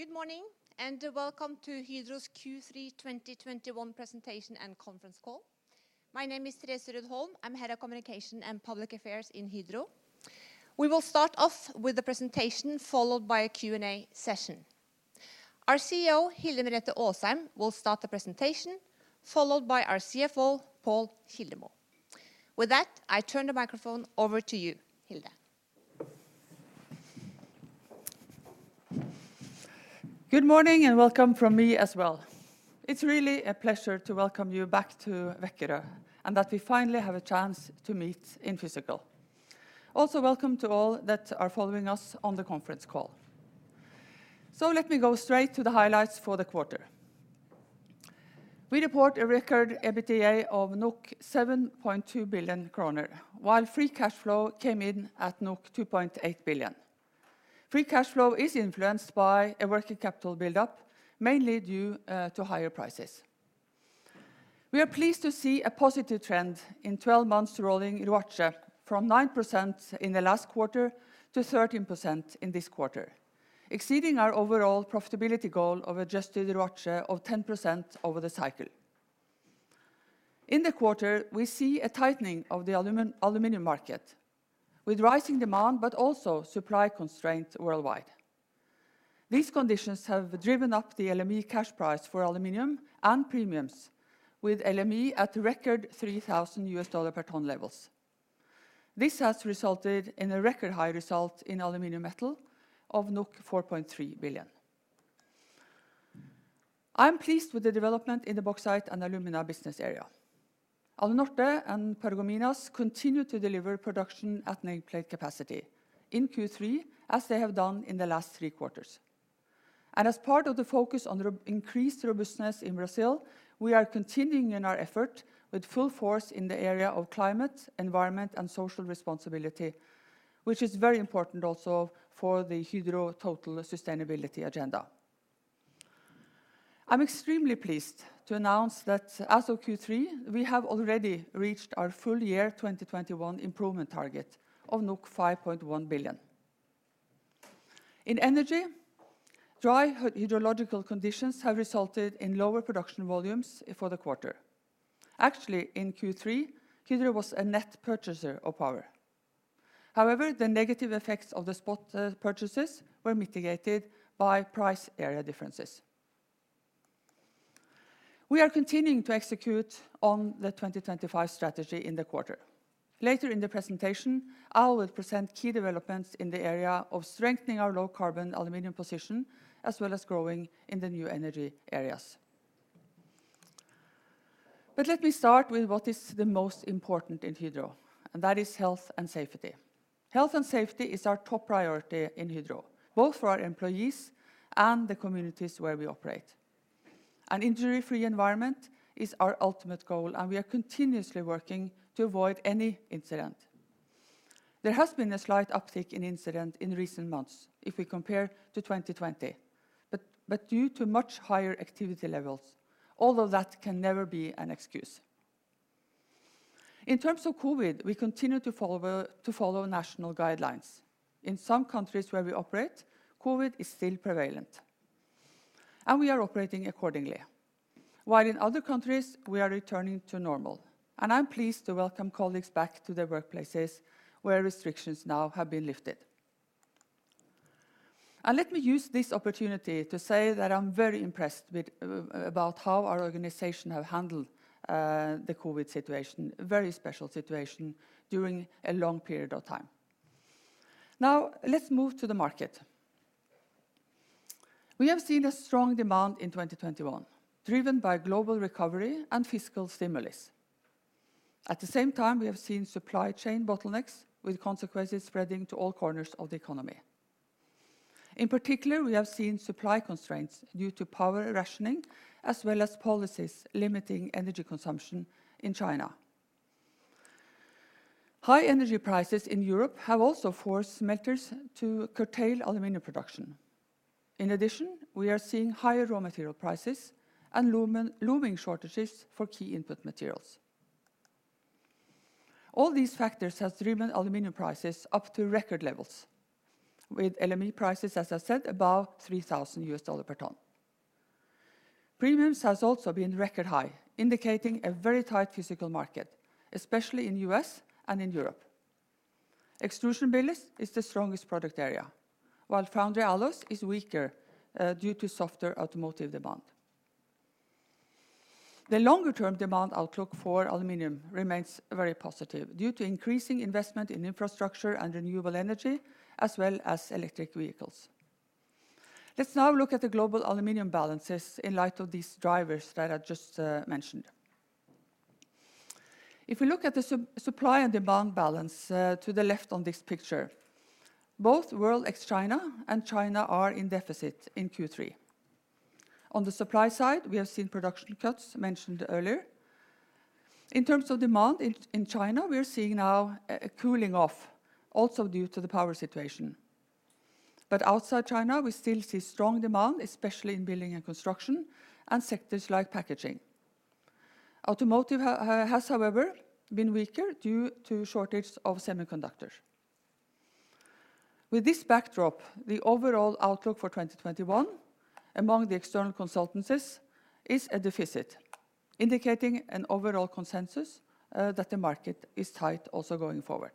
Good morning, and welcome to Hydro's Q3 2021 presentation and conference call. My name is Therese Rød Holm. I'm Head of Communication and Public Affairs in Hydro. We will start off with a presentation followed by a Q&A session. Our CEO, Hilde Merete Aasheim, will start the presentation, followed by our CFO, Pål Kildemo. With that, I turn the microphone over to you, Hilde. Good morning, and welcome from me as well. It's really a pleasure to welcome you back to Vækerø, and that we finally have a chance to meet in person. Welcome to all that are following us on the conference call. Let me go straight to the highlights for the quarter. We report a record EBITDA of 7.2 billion kroner, while free cash flow came in at 2.8 billion. Free cash flow is influenced by a working capital buildup, mainly due to higher prices. We are pleased to see a positive trend in 12 months rolling RoaCE from 9% in the last quarter to 13% in this quarter, exceeding our overall profitability goal of adjusted RoaCE of 10% over the cycle. In the quarter, we see a tightening of the aluminum market with rising demand, but also supply constraints worldwide. These conditions have driven up the LME cash price for aluminum and premiums with LME at record $3,000 per tonne levels. This has resulted in a record high result in Aluminum Metal of 4.3 billion. I'm pleased with the development in the Bauxite & Alumina business area. Alunorte and Paragominas continue to deliver production at nameplate capacity in Q3, as they have done in the last three quarters. As part of the focus on increased robustness in Brazil, we are continuing in our effort with full force in the area of climate, environment, and social responsibility, which is very important also for the Hydro total sustainability agenda. I'm extremely pleased to announce that as of Q3, we have already reached our full year 2021 improvement target of 5.1 billion. In Energy, dry hydrological conditions have resulted in lower production volumes for the quarter. Actually, in Q3, Hydro was a net purchaser of power. However, the negative effects of the spot purchases were mitigated by price area differences. We are continuing to execute on the 2025 strategy in the quarter. Later in the presentation, I will present key developments in the area of strengthening our low carbon aluminum position, as well as growing in the new energy areas. Let me start with what is the most important in Hydro, and that is health and safety. Health and safety is our top priority in Hydro, both for our employees and the communities where we operate. An injury-free environment is our ultimate goal, and we are continuously working to avoid any incident. There has been a slight uptick in incidents in recent months if we compare to 2020, but due to much higher activity levels, although that can never be an excuse. In terms of COVID, we continue to follow national guidelines. In some countries where we operate, COVID is still prevalent, and we are operating accordingly. While in other countries, we are returning to normal, and I'm pleased to welcome colleagues back to their workplaces where restrictions now have been lifted. Let me use this opportunity to say that I'm very impressed with how our organization have handled the COVID situation, a very special situation during a long period of time. Now, let's move to the market. We have seen a strong demand in 2021, driven by global recovery and fiscal stimulus. At the same time, we have seen supply chain bottlenecks with consequences spreading to all corners of the economy. In particular, we have seen supply constraints due to power rationing, as well as policies limiting energy consumption in China. High energy prices in Europe have also forced smelters to curtail aluminum production. In addition, we are seeing higher raw material prices and looming shortages for key input materials. All these factors has driven aluminum prices up to record levels with LME prices, as I said, above $3,000 per tonne. Premiums has also been record high, indicating a very tight physical market, especially in U.S. and in Europe. Extrusion billet is the strongest product area, while foundry alloys is weaker due to softer automotive demand. The longer-term demand outlook for aluminum remains very positive due to increasing investment in infrastructure and renewable energy, as well as electric vehicles. Let's now look at the global aluminum balances in light of these drivers that I just mentioned. If we look at the supply and demand balance to the left on this picture, both world ex China and China are in deficit in Q3. On the supply side, we have seen production cuts mentioned earlier. In terms of demand in China, we're seeing now a cooling off also due to the power situation. Outside China, we still see strong demand, especially in building and construction and sectors like packaging. Automotive has however been weaker due to shortage of semiconductors. With this backdrop, the overall outlook for 2021 among the external consultancies is a deficit, indicating an overall consensus that the market is tight also going forward.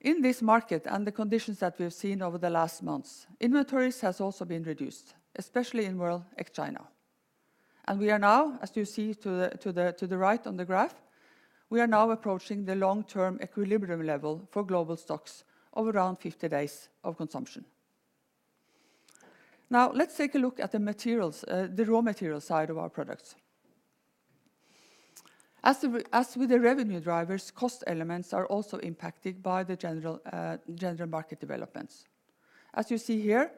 In this market and the conditions that we have seen over the last months, inventories has also been reduced, especially in World ex. China. We are now, as you see to the right on the graph, approaching the long-term equilibrium level for global stocks of around 50 days of consumption. Now let's take a look at the materials, the raw material side of our products. As with the revenue drivers, cost elements are also impacted by the general market developments. As you see here,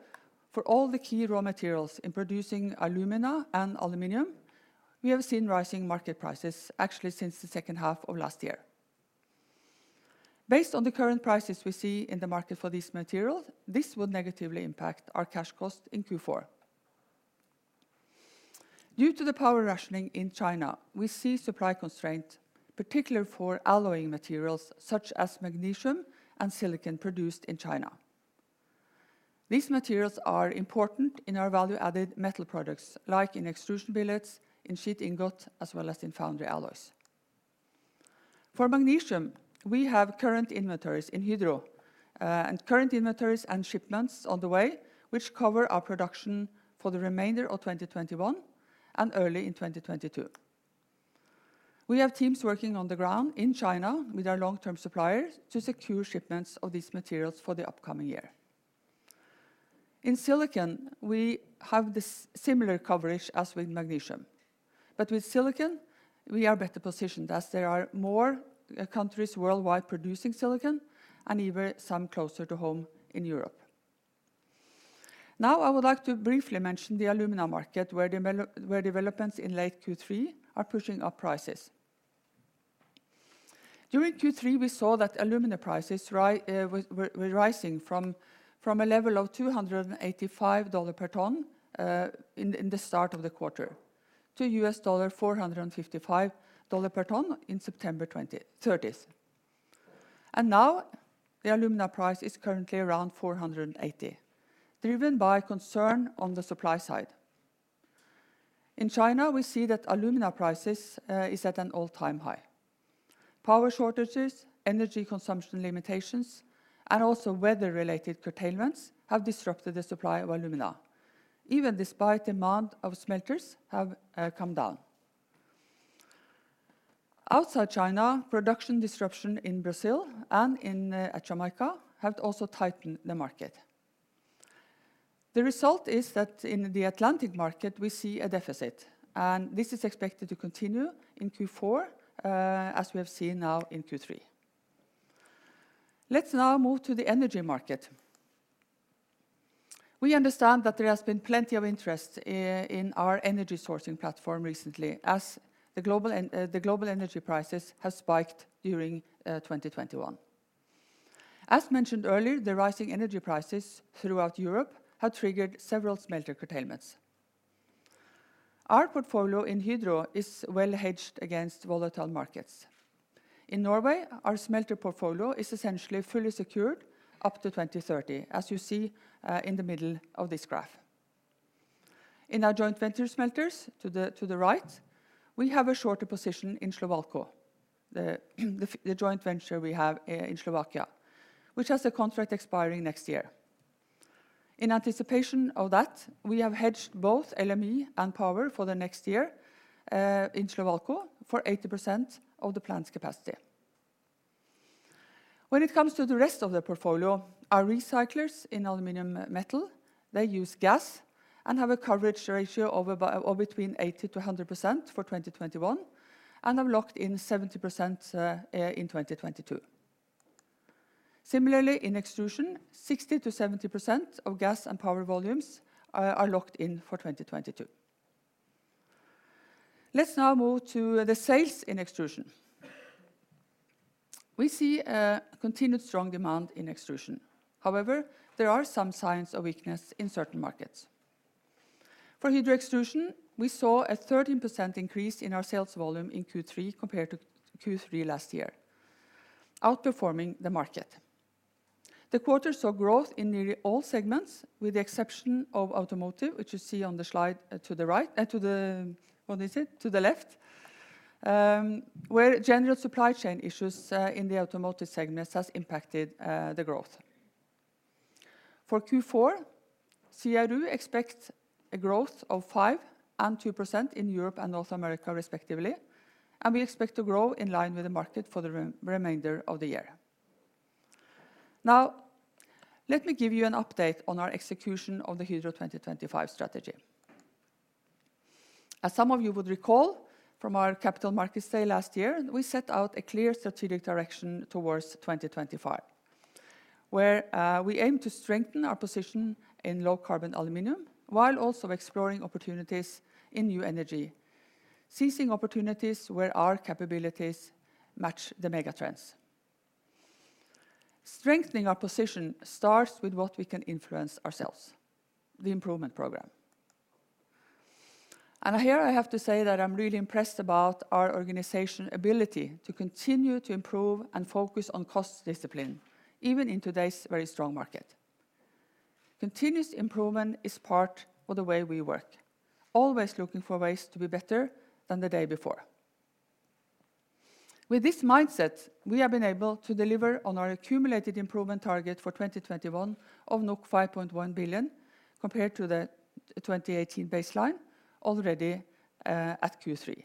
for all the key raw materials in producing alumina and aluminum, we have seen rising market prices actually since the second half of last year. Based on the current prices we see in the market for these materials, this will negatively impact our cash cost in Q4. Due to the power rationing in China, we see supply constraint, particularly for alloying materials such as magnesium and silicon produced in China. These materials are important in our value-added metal products, like in extrusion billets, in sheet ingot, as well as in foundry alloys. For magnesium, we have current inventories in Hydro, and current inventories and shipments on the way, which cover our production for the remainder of 2021 and early in 2022. We have teams working on the ground in China with our long-term suppliers to secure shipments of these materials for the upcoming year. In silicon, we have the similar coverage as with magnesium. With silicon, we are better positioned as there are more, countries worldwide producing silicon and even some closer to home in Europe. Now I would like to briefly mention the alumina market, where developments in late Q3 are pushing up prices. During Q3, we saw that alumina prices were rising from a level of $285 per tonne in the start of the quarter to $455 per tonne in September 2023. Now the alumina price is currently around $480, driven by concern on the supply side. In China, we see that alumina prices is at an all-time high. Power shortages, energy consumption limitations, and also weather-related curtailments have disrupted the supply of alumina, even despite demand of smelters have come down. Outside China, production disruption in Brazil and in Jamaica have also tightened the market. The result is that in the Atlantic market, we see a deficit, and this is expected to continue in Q4, as we have seen now in Q3. Let's now move to the energy market. We understand that there has been plenty of interest in our energy sourcing platform recently as the global energy prices have spiked during 2021. As mentioned earlier, the rising energy prices throughout Europe have triggered several smelter curtailments. Our portfolio in Hydro is well hedged against volatile markets. In Norway, our smelter portfolio is essentially fully secured up to 2030, as you see in the middle of this graph. In our joint venture smelters to the right, we have a shorter position in Slovalco, the joint venture we have in Slovakia, which has a contract expiring next year. In anticipation of that, we have hedged both LME and power for the next year in Slovalco for 80% of the plant's capacity. When it comes to the rest of the portfolio, our recyclers in Aluminum Metal, they use gas and have a coverage ratio of between 80%-100% for 2021 and have locked in 70% in 2022. Similarly, in extrusion, 60%-70% of gas and power volumes are locked in for 2022. Let's now move to the sales in extrusion. We see a continued strong demand in extrusion. However, there are some signs of weakness in certain markets. For Hydro Extrusions, we saw a 13% increase in our sales volume in Q3 compared to Q3 last year, outperforming the market. The quarter saw growth in nearly all segments, with the exception of automotive, which you see on the slide to the right. To the left, where general supply chain issues in the automotive segments has impacted the growth. For Q4, CRU expects a growth of 5% and 2% in Europe and North America respectively, and we expect to grow in line with the market for the remainder of the year. Now, let me give you an update on our execution of the Hydro 2025 strategy. As some of you would recall from our Capital Markets Day last year, we set out a clear strategic direction towards 2025, where we aim to strengthen our position in low carbon aluminum while also exploring opportunities in new energy, seizing opportunities where our capabilities match the mega trends. Strengthening our position starts with what we can influence ourselves, the improvement program. Here I have to say that I'm really impressed about our organization's ability to continue to improve and focus on cost discipline, even in today's very strong market. Continuous improvement is part of the way we work, always looking for ways to be better than the day before. With this mindset, we have been able to deliver on our accumulated improvement target for 2021 of 5.1 billion compared to the 2018 baseline already at Q3.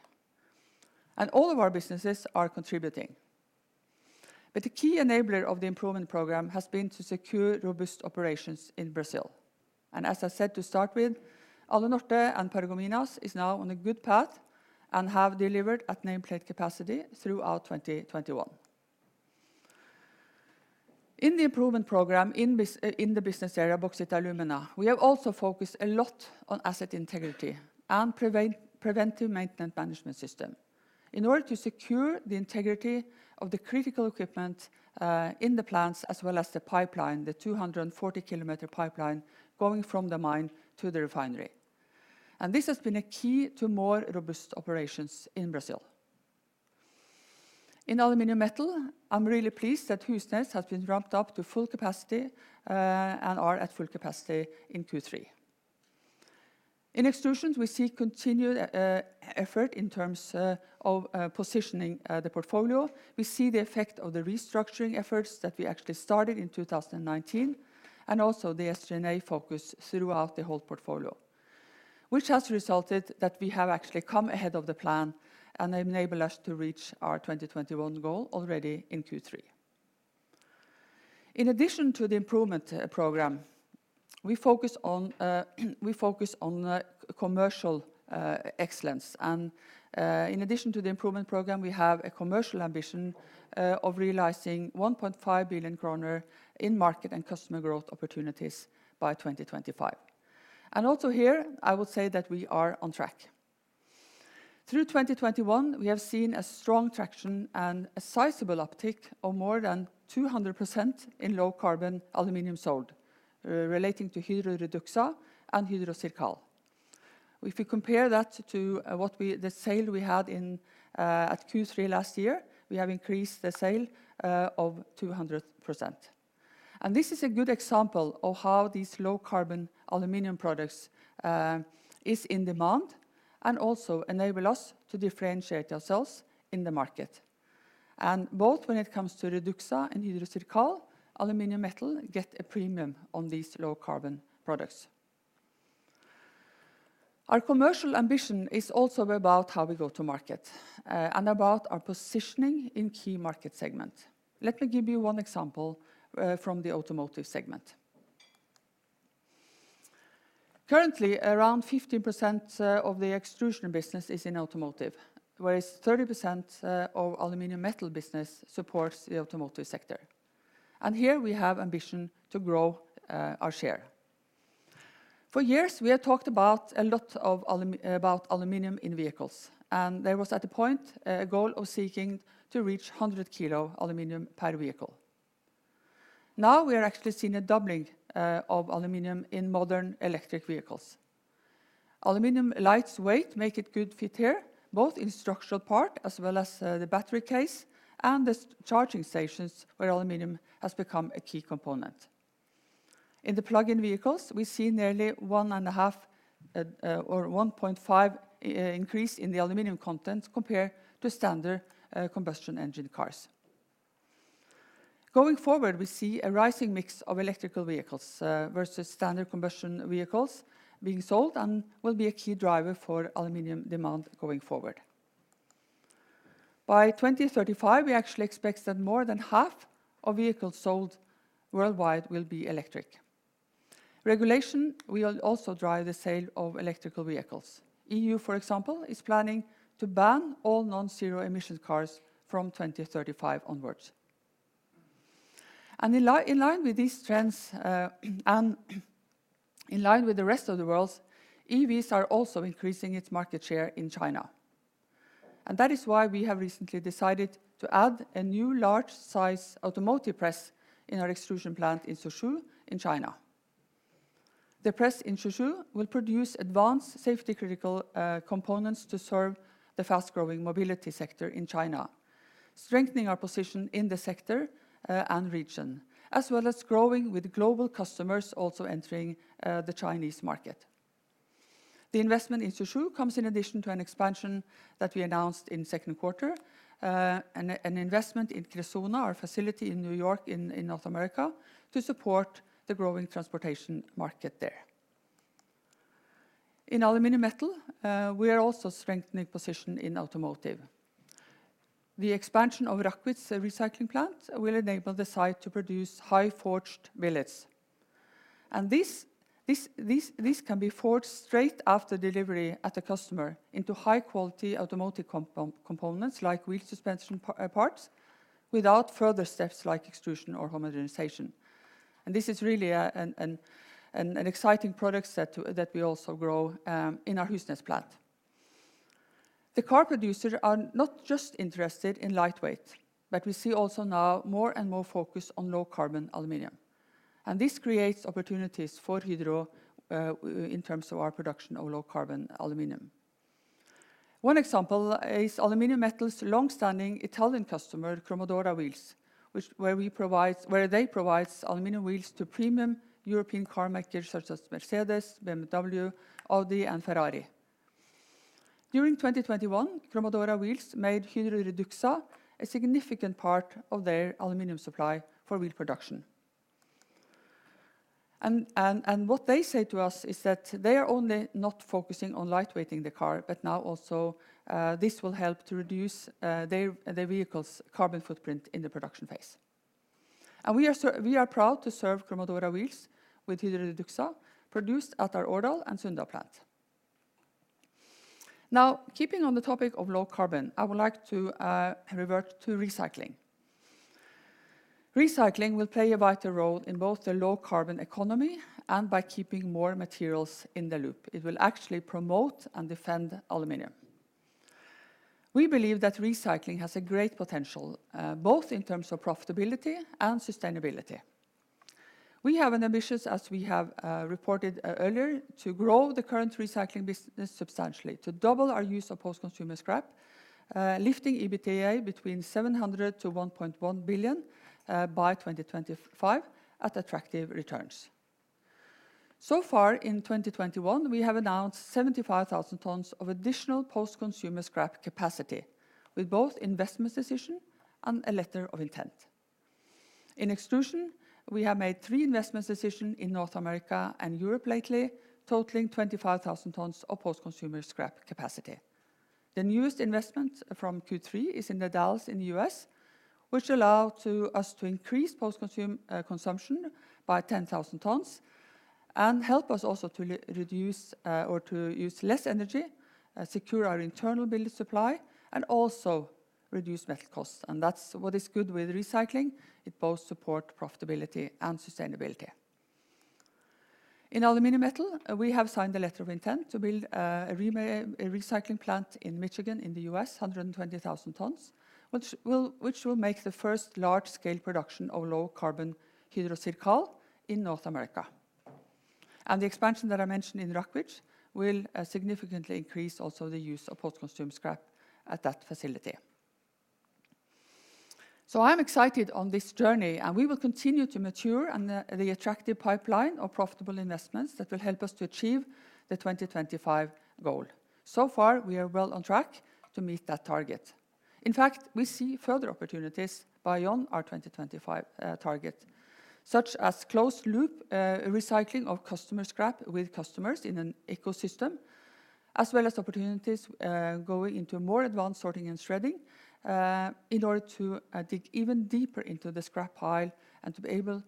All of our businesses are contributing. The key enabler of the improvement program has been to secure robust operations in Brazil. As I said to start with, Alunorte and Paragominas are now on a good path and have delivered at nameplate capacity throughout 2021. In the improvement program in the business area, Bauxite & Alumina, we have also focused a lot on asset integrity and preventive maintenance management system in order to secure the integrity of the critical equipment in the plants, as well as the pipeline, the 240 km pipeline going from the mine to the refinery. This has been a key to more robust operations in Brazil. In Aluminum Metal, I'm really pleased that Husnes has been ramped up to full capacity and are at full capacity in Q3. In Extrusions, we see continued effort in terms of positioning the portfolio. We see the effect of the restructuring efforts that we actually started in 2019, and also the SG&A focus throughout the whole portfolio. Which has resulted that we have actually come ahead of the plan and enabled us to reach our 2021 goal already in Q3. In addition to the improvement program, we focus on commercial excellence. In addition to the improvement program, we have a commercial ambition of realizing 1.5 billion kroner in market and customer growth opportunities by 2025. Also here, I would say that we are on track. Through 2021, we have seen a strong traction and a sizable uptick of more than 200% in low carbon aluminum sold relating to Hydro REDUXA and Hydro CIRCAL. If you compare that to the sale we had at Q3 last year, we have increased the sale of 200%. This is a good example of how these low carbon aluminum products is in demand and also enable us to differentiate ourselves in the market. Both when it comes to REDUXA and Hydro CIRCAL, Aluminum Metal get a premium on these low carbon products. Our commercial ambition is also about how we go to market and about our positioning in key market segment. Let me give you one example from the automotive segment. Currently, around 15% of the extrusion business is in automotive, whereas 30% of Aluminum Metal business supports the automotive sector. Here we have ambition to grow our share. For years, we have talked about aluminum in vehicles, and there was at a point a goal of seeking to reach 100 kg aluminum per vehicle. Now, we are actually seeing a doubling of aluminum in modern electric vehicles. Aluminum's lightweight makes it a good fit here, both in structural parts as well as the battery case and the charging stations where aluminum has become a key component. In the plug-in vehicles, we see nearly 1.5 increase in the aluminum content compared to standard combustion engine cars. Going forward, we see a rising mix of electric vehicles versus standard combustion vehicles being sold and will be a key driver for aluminum demand going forward. By 2035, we actually expect that more than half of vehicles sold worldwide will be electric. Regulation will also drive the sale of electric vehicles. EU, for example, is planning to ban all non-zero emission cars from 2035 onwards. In line with these trends, and in line with the rest of the world, EVs are also increasing its market share in China. That is why we have recently decided to add a new large size automotive press in our extrusion plant in Suzhou in China. The press in Suzhou will produce advanced safety critical components to serve the fast-growing mobility sector in China, strengthening our position in the sector and region, as well as growing with global customers also entering the Chinese market. The investment in Suzhou comes in addition to an expansion that we announced in second quarter, an investment in Cressona, our facility in Pennsylvania in North America, to support the growing transportation market there. In Aluminum Metal, we are also strengthening position in automotive. The expansion of Rackwitz's recycling plant will enable the site to produce high forged billets. This can be forged straight after delivery at a customer into high quality automotive components like wheel suspension parts without further steps like extrusion or homogenization. This is really an exciting product that we also grow in our Husnes plant. The car producers are not just interested in lightweight, but we see also now more and more focus on low carbon aluminum. This creates opportunities for Hydro in terms of our production of low carbon aluminum. One example is Aluminum Metal's long-standing Italian customer, Cromodora Wheels, where they provide aluminum wheels to premium European car makers such as Mercedes, BMW, Audi, and Ferrari. During 2021, Cromodora Wheels made Hydro REDUXA a significant part of their aluminum supply for wheel production. What they say to us is that they are not only focusing on lightweighting the car, but now also this will help to reduce their vehicle's carbon footprint in the production phase. We are proud to serve Cromodora Wheels with Hydro REDUXA produced at our Årdal and Sunndal plant. Now, keeping on the topic of low carbon, I would like to revert to recycling. Recycling will play a vital role in both the low carbon economy and by keeping more materials in the loop. It will actually promote and defend aluminum. We believe that recycling has a great potential both in terms of profitability and sustainability. We have an ambitious, as we have reported earlier, to grow the current recycling business substantially, to double our use of post-consumer scrap, lifting EBITDA between 700 million-1.1 billion by 2025 at attractive returns. So far in 2021, we have announced 75,000 tonnes of additional post-consumer scrap capacity with both investment decision and a letter of intent. In extrusion, we have made three investment decision in North America and Europe lately, totaling 25,000 tonnes of post-consumer scrap capacity. The newest investment from Q3 is in The Dalles in the U.S., which allows us to increase post-consumer consumption by 10,000 tonnes and help us also to reduce or to use less energy, secure our internal billet supply, and also reduce metal costs. That's what is good with recycling. It both support profitability and sustainability. In Aluminum Metal, we have signed a letter of intent to build a recycling plant in Michigan in the U.S., 120,000 tonnes, which will make the first large-scale production of low-carbon Hydro CIRCAL in North America. The expansion that I mentioned in Rackwitz will significantly increase also the use of post-consumer scrap at that facility. I'm excited on this journey, and we will continue to mature on the attractive pipeline of profitable investments that will help us to achieve the Hydro 2025 goal. We are well on track to meet that target. In fact, we see further opportunities beyond our 2025 target, such as closed loop recycling of customer scrap with customers in an ecosystem, as well as opportunities going into more advanced sorting and shredding in order to dig even deeper into the scrap pile and to be able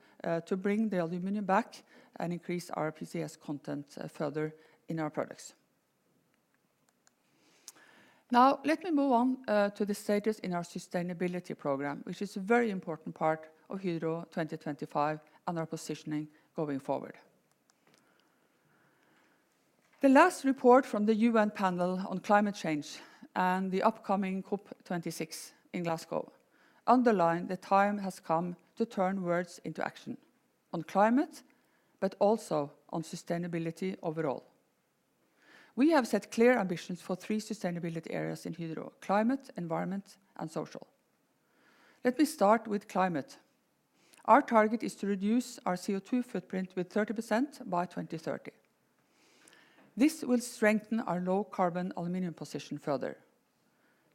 to bring the aluminum back and increase our PCS content further in our products. Now, let me move on to the stages in our sustainability program, which is a very important part of Hydro 2025 and our positioning going forward. The last report from the UN panel on climate change and the upcoming COP26 in Glasgow underline the time has come to turn words into action on climate, but also on sustainability overall. We have set clear ambitions for three sustainability areas in Hydro: climate, environment, and social. Let me start with climate. Our target is to reduce our CO2 footprint with 30% by 2030. This will strengthen our low-carbon aluminum position further.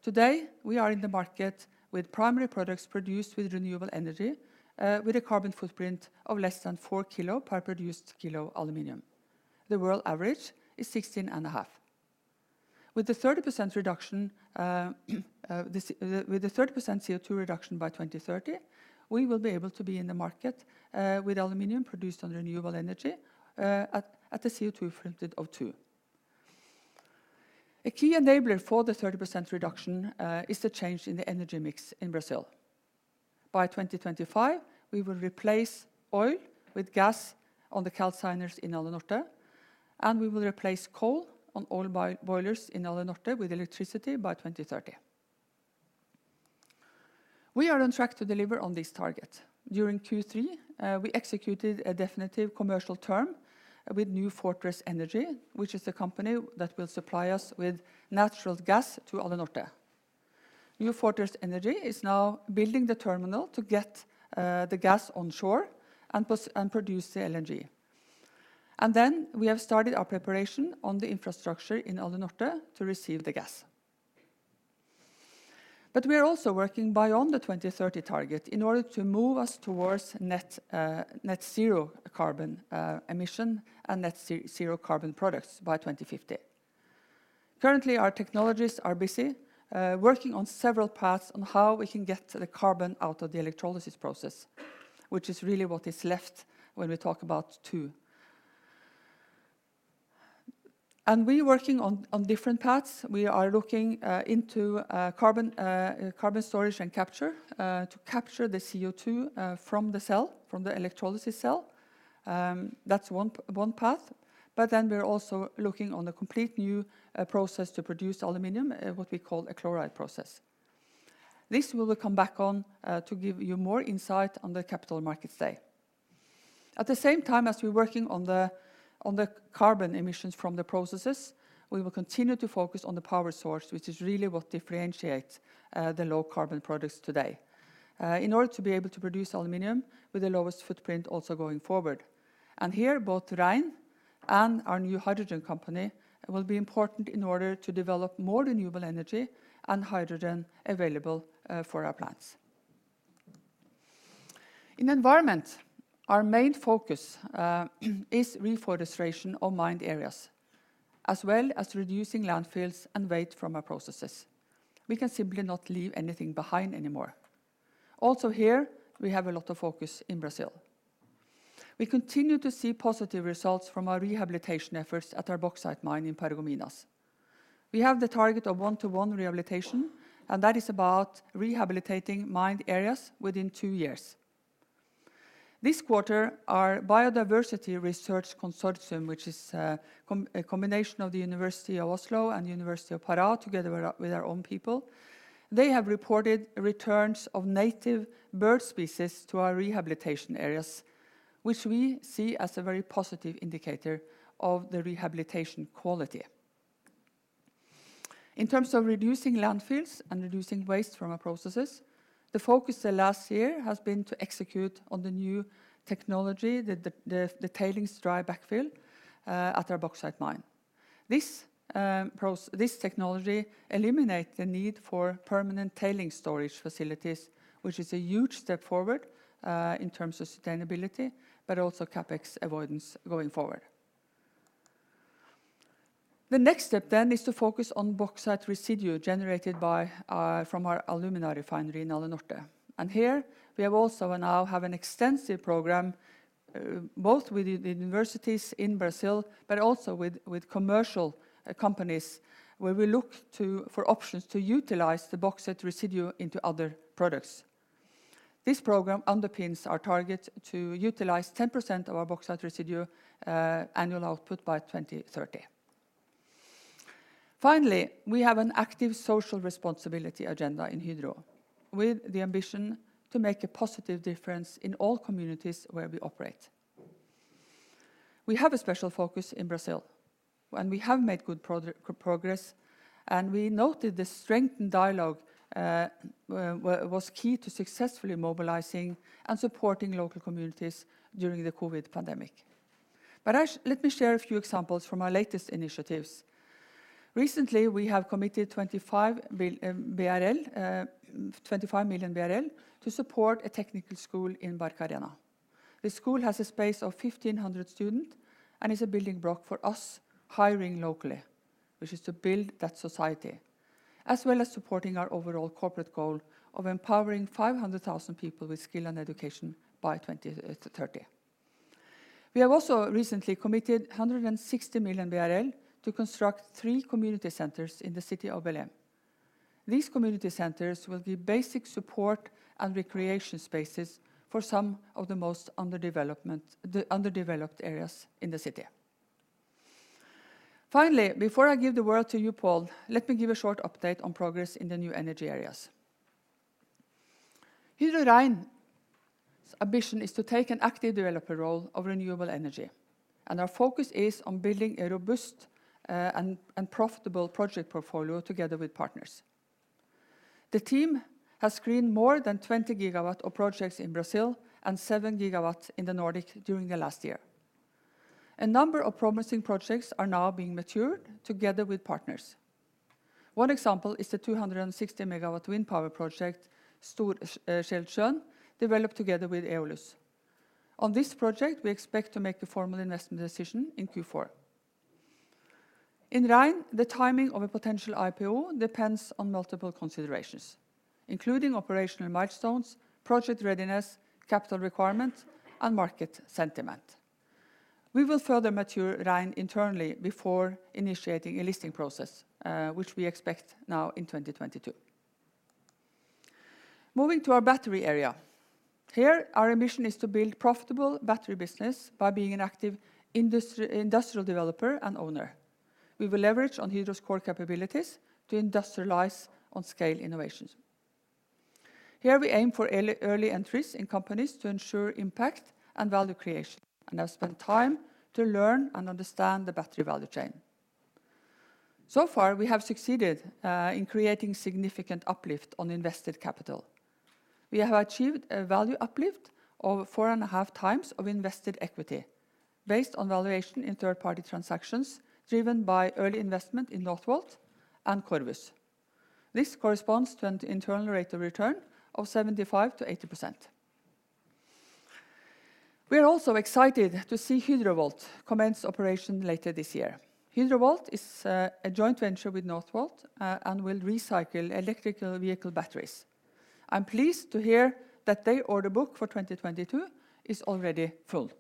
Today, we are in the market with primary products produced with renewable energy, with a carbon footprint of less than 4 kg per produced kilo aluminum. The world average is 16.5 kg. With the 30% reduction, with the 30% CO2 reduction by 2030, we will be able to be in the market, with aluminum produced on renewable energy, at a CO2 footprint of 2 kg. A key enabler for the 30% reduction is the change in the energy mix in Brazil. By 2025, we will replace oil with gas on the calciners in Alunorte, and we will replace coal on all boilers in Alunorte with electricity by 2030. We are on track to deliver on this target. During Q3, we executed a definitive commercial term with New Fortress Energy, which is the company that will supply us with natural gas to Alunorte. New Fortress Energy is now building the terminal to get the gas on shore and produce the LNG. We have started our preparation on the infrastructure in Alunorte to receive the gas. We are also working beyond the 2030 target in order to move us towards net-zero carbon emission and net-zero carbon products by 2050. Currently, our technologists are busy working on several paths on how we can get the carbon out of the electrolysis process, which is really what is left when we talk about CO2. We're working on different paths. We are looking into carbon storage and capture to capture the CO2 from the cell, from the electrolysis cell. That's one path, but then we're also looking on a complete new process to produce aluminum what we call a chloride process. This will come back on to give you more insight on the Capital Markets Day. At the same time as we're working on the carbon emissions from the processes, we will continue to focus on the power source, which is really what differentiates the low carbon products today. In order to be able to produce aluminum with the lowest footprint also going forward. Here both Rein and our new hydrogen company will be important in order to develop more renewable energy and hydrogen available for our plants. In environment, our main focus is reforestation of mined areas, as well as reducing landfills and waste from our processes. We can simply not leave anything behind anymore. Also here, we have a lot of focus in Brazil. We continue to see positive results from our rehabilitation efforts at our bauxite mine in Paragominas. We have the target of one-to-one rehabilitation, and that is about rehabilitating mined areas within two years. This quarter, our biodiversity research consortium, which is a combination of the University of Oslo and the Federal University of Pará, together with our own people, they have reported returns of native bird species to our rehabilitation areas, which we see as a very positive indicator of the rehabilitation quality. In terms of reducing landfills and reducing waste from our processes, the focus the last year has been to execute on the new technology, the tailings dry backfill at our bauxite mine. This technology eliminate the need for permanent tailings storage facilities, which is a huge step forward in terms of sustainability, but also CapEx avoidance going forward. The next step then is to focus on bauxite residue generated from our alumina refinery in Alunorte. Here we also now have an extensive program both with the universities in Brazil, but also with commercial companies, where we look for options to utilize the bauxite residue into other products. This program underpins our target to utilize 10% of our bauxite residue annual output by 2030. Finally, we have an active social responsibility agenda in Hydro, with the ambition to make a positive difference in all communities where we operate. We have a special focus in Brazil, and we have made good progress, and we noted the strengthened dialogue was key to successfully mobilizing and supporting local communities during the COVID pandemic. Actually let me share a few examples from our latest initiatives. Recently, we have committed 25 million BRL to support a technical school in Barcarena. The school has a space of 1,500 students and is a building block for us hiring locally, which is to build that society, as well as supporting our overall corporate goal of empowering 500,000 people with skill and education by 2030. We have also recently committed 160 million BRL to construct three community centers in the city of Belém. These community centers will give basic support and recreation spaces for some of the most underdeveloped areas in the city. Finally, before I give the word to you, Pål, let me give a short update on progress in the new energy areas. Hydro Rein's ambition is to take an active developer role of renewable energy, and our focus is on building a robust and profitable project portfolio together with partners. The team has screened more than 20 GW of projects in Brazil and 7 GW in the Nordic during the last year. A number of promising projects are now being matured together with partners. One example is the 260 MW wind power project, Stor-Skälsjön, developed together with Eolus. On this project, we expect to make the formal investment decision in Q4. In Rein, the timing of a potential IPO depends on multiple considerations, including operational milestones, project readiness, capital requirement, and market sentiment. We will further mature Rein internally before initiating a listing process, which we expect now in 2022. Moving to our battery area. Here, our ambition is to build profitable battery business by being an active industrial developer and owner. We will leverage on Hydro's core capabilities to industrialize on scale innovations. Here we aim for early entries in companies to ensure impact and value creation, and have spent time to learn and understand the battery value chain. So far, we have succeeded in creating significant uplift on invested capital. We have achieved a value uplift of 4.5 times of invested equity based on valuation in third party transactions driven by early investment in Northvolt and Corvus. This corresponds to an internal rate of return of 75%-80%. We are also excited to see Hydrovolt commence operation later this year. Hydrovolt is a joint venture with Northvolt and will recycle electric vehicle batteries. I'm pleased to hear that their order book for 2022 is already full.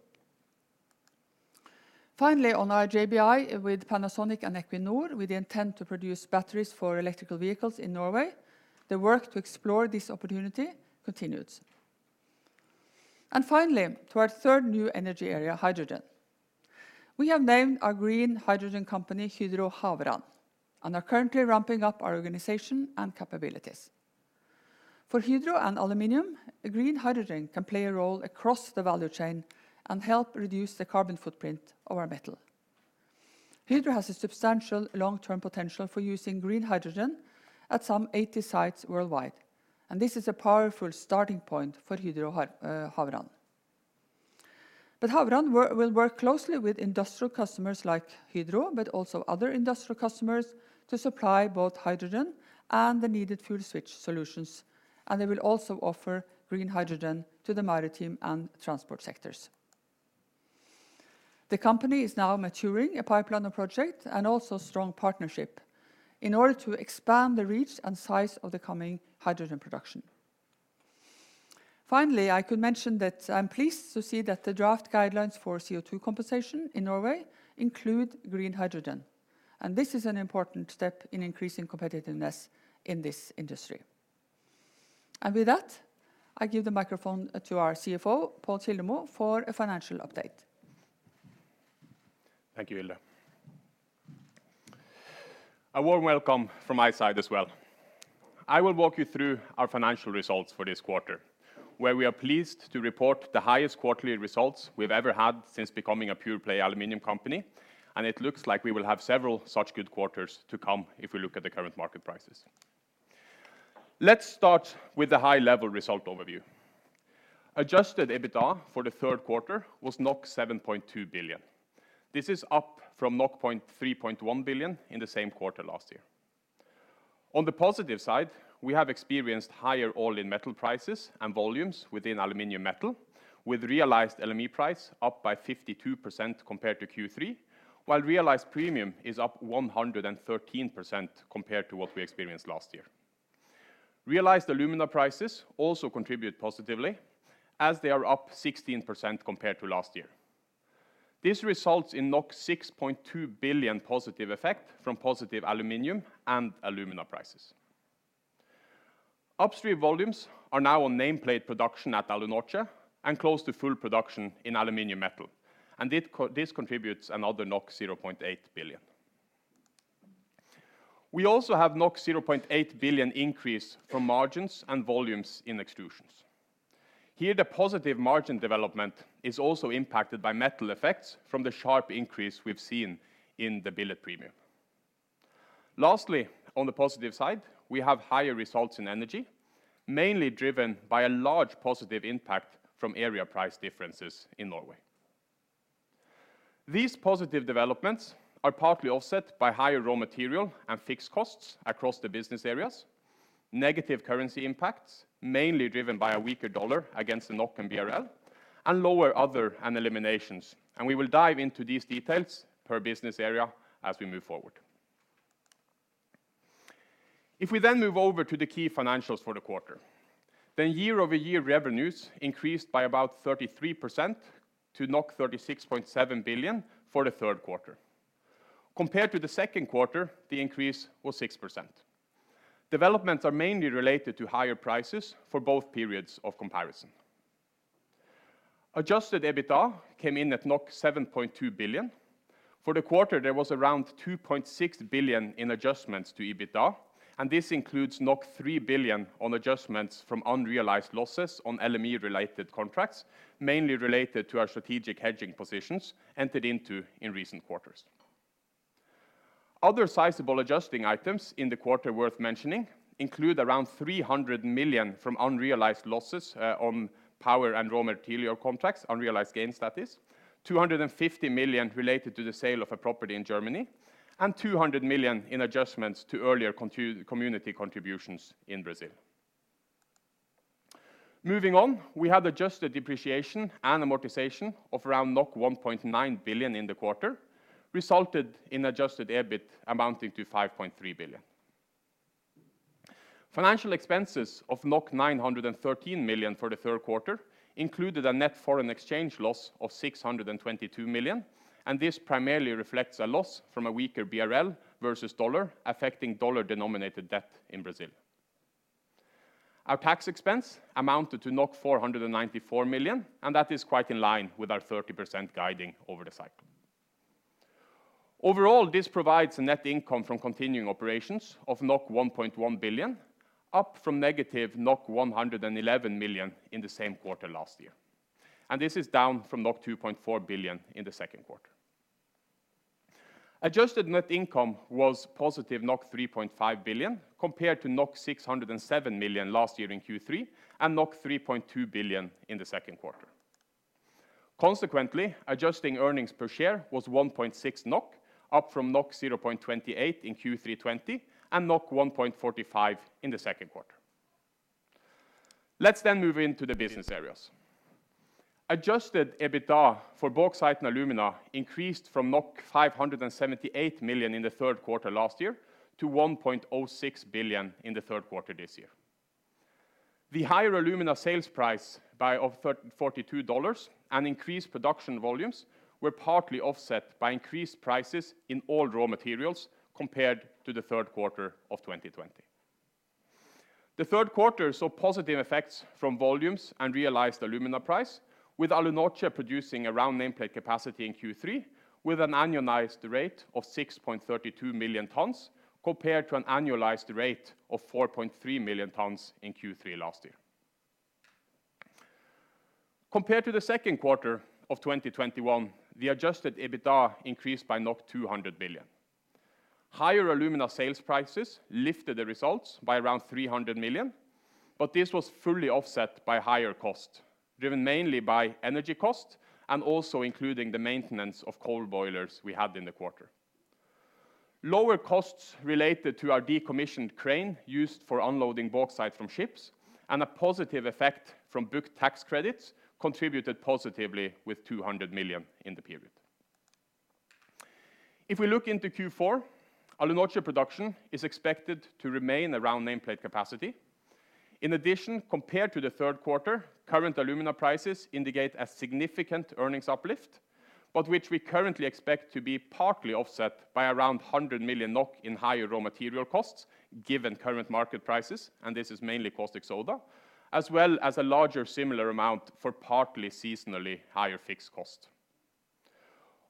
Finally, on our JV with Panasonic and Equinor, we intend to produce batteries for electric vehicles in Norway. The work to explore this opportunity continues. Finally, to our third new energy area, hydrogen. We have named our green hydrogen company Hydro Havrand and are currently ramping up our organization and capabilities. For Hydro and aluminum, green hydrogen can play a role across the value chain and help reduce the carbon footprint of our metal. Hydro has a substantial long-term potential for using green hydrogen at some 80 sites worldwide, and this is a powerful starting point for Hydro Havrand. Havrand will work closely with industrial customers like Hydro, but also other industrial customers to supply both hydrogen and the needed fuel switch solutions, and they will also offer green hydrogen to the maritime and transport sectors. The company is now maturing a pipeline of projects and also strong partnerships in order to expand the reach and size of the coming hydrogen production. Finally, I could mention that I'm pleased to see that the draft guidelines for CO2 compensation in Norway include green hydrogen, and this is an important step in increasing competitiveness in this industry. With that, I give the microphone to our CFO, Pål Kildemo, for a financial update. Thank you, Hilde. A warm welcome from my side as well. I will walk you through our financial results for this quarter, where we are pleased to report the highest quarterly results we've ever had since becoming a pure-play aluminum company, and it looks like we will have several such good quarters to come if we look at the current market prices. Let's start with the high-level result overview. Adjusted EBITDA for the third quarter was 7.2 billion. This is up from 3.1 billion in the same quarter last year. On the positive side, we have experienced higher all-in metal prices and volumes within Aluminum Metal, with realized LME price up by 52% compared to Q3, while realized premium is up 113% compared to what we experienced last year. Realized alumina prices also contribute positively, as they are up 16% compared to last year. This results in 6.2 billion positive effect from positive aluminum and alumina prices. Upstream volumes are now on nameplate production at Alunorte and close to full production in Aluminum Metal, and this contributes another 0.8 billion. We also have 0.8 billion increase from margins and volumes in Extrusions. Here, the positive margin development is also impacted by metal effects from the sharp increase we've seen in the billet premium. Lastly, on the positive side, we have higher results in energy, mainly driven by a large positive impact from area price differences in Norway. These positive developments are partly offset by higher raw material and fixed costs across the business areas, negative currency impacts, mainly driven by a weaker dollar against the NOK and BRL, and lower other and eliminations, and we will dive into these details per business area as we move forward. If we then move over to the key financials for the quarter, year-over-year revenues increased by about 33% to 36.7 billion for the third quarter. Compared to the second quarter, the increase was 6%. Developments are mainly related to higher prices for both periods of comparison. Adjusted EBITDA came in at 7.2 billion. For the quarter, there was around 2.6 billion in adjustments to EBITDA, and this includes 3 billion on adjustments from unrealized losses on LME-related contracts, mainly related to our strategic hedging positions entered into in recent quarters. Other sizable adjusting items in the quarter worth mentioning include around 300 million from unrealized losses on power and raw material contracts, unrealized gains that is, 250 million related to the sale of a property in Germany, and 200 million in adjustments to earlier community contributions in Brazil. Moving on, we have adjusted depreciation and amortization of around 1.9 billion in the quarter, resulted in Adjusted EBIT amounting to 5.3 billion. Financial expenses of 913 million for the third quarter included a net foreign exchange loss of 622 million, and this primarily reflects a loss from a weaker BRL versus dollar affecting dollar-denominated debt in Brazil. Our tax expense amounted to 494 million, and that is quite in line with our 30% guiding over the cycle. Overall, this provides a net income from continuing operations of 1.1 billion, up from -111 million in the same quarter last year. This is down from 2.4 billion in the second quarter. Adjusted net income was +3.5 billion, compared to 607 million last year in Q3 and 3.2 billion in the second quarter. Adjusted earnings per share was 1.6 NOK, up from 0.28 in Q3 2020 and 1.45 in the second quarter. Let's move into the business areas. Adjusted EBITDA for Bauxite & Alumina increased from 578 million in the third quarter last year to 1.06 billion in the third quarter this year. The higher alumina sales price by $42 and increased production volumes were partly offset by increased prices in all raw materials compared to the third quarter of 2020. The third quarter saw positive effects from volumes and realized alumina price, with Alunorte producing around nameplate capacity in Q3, with an annualized rate of 6.32 million tons compared to an annualized rate of 4.3 million tons in Q3 last year. Compared to the second quarter of 2021, the Adjusted EBITDA increased by 200 billion. Higher alumina sales prices lifted the results by around 300 million, but this was fully offset by higher cost, driven mainly by energy cost and also including the maintenance of coal boilers we had in the quarter. Lower costs related to our decommissioned crane used for unloading bauxite from ships and a positive effect from booked tax credits contributed positively with 200 million in the period. If we look into Q4, Alunorte production is expected to remain around nameplate capacity. In addition, compared to the third quarter, current alumina prices indicate a significant earnings uplift, but which we currently expect to be partly offset by around 100 million NOK in higher raw material costs, given current market prices, and this is mainly caustic soda, as well as a larger similar amount for partly seasonally higher fixed cost.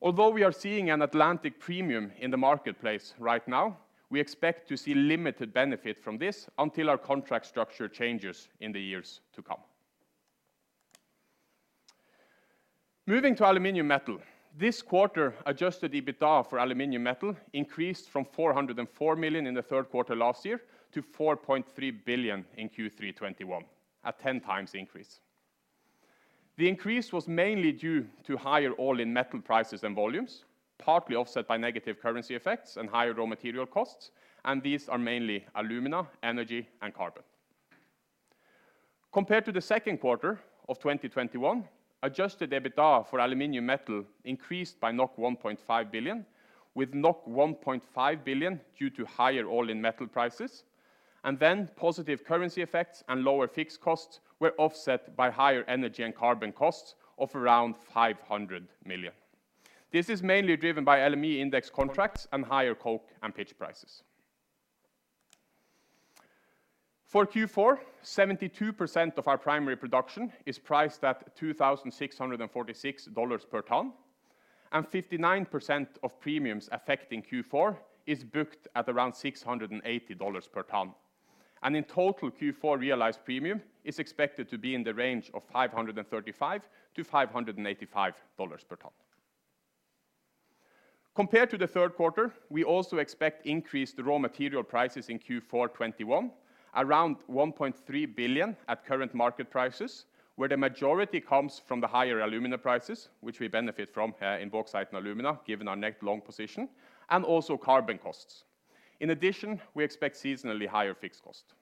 Although we are seeing an Atlantic premium in the marketplace right now, we expect to see limited benefit from this until our contract structure changes in the years to come. Moving to Aluminum Metal, this quarter, Adjusted EBITDA for Aluminum Metal increased from 404 million in the third quarter last year to 4.3 billion in Q3 2021, a 10 times increase. The increase was mainly due to higher all-in metal prices and volumes, partly offset by negative currency effects and higher raw material costs, and these are mainly alumina, energy, and carbon. Compared to the second quarter of 2021, Adjusted EBITDA for Aluminum Metal increased by 1.5 billion, with 1.5 billion due to higher all-in metal prices. Positive currency effects and lower fixed costs were offset by higher energy and carbon costs of around 500 million. This is mainly driven by LME index contracts and higher coke and pitch prices. For Q4, 72% of our primary production is priced at $2,646 per tonne, and 59% of premiums affecting Q4 is booked at around $680 per tonne. In total, Q4 realized premium is expected to be in the range of $535-$585 per tonne. Compared to the third quarter, we also expect increased raw material prices in Q4 2021, around $1.3 billion at current market prices, where the majority comes from the higher alumina prices, which we benefit from in Bauxite & Alumina, given our net long position, and also carbon costs. In addition, we expect seasonally higher fixed cost.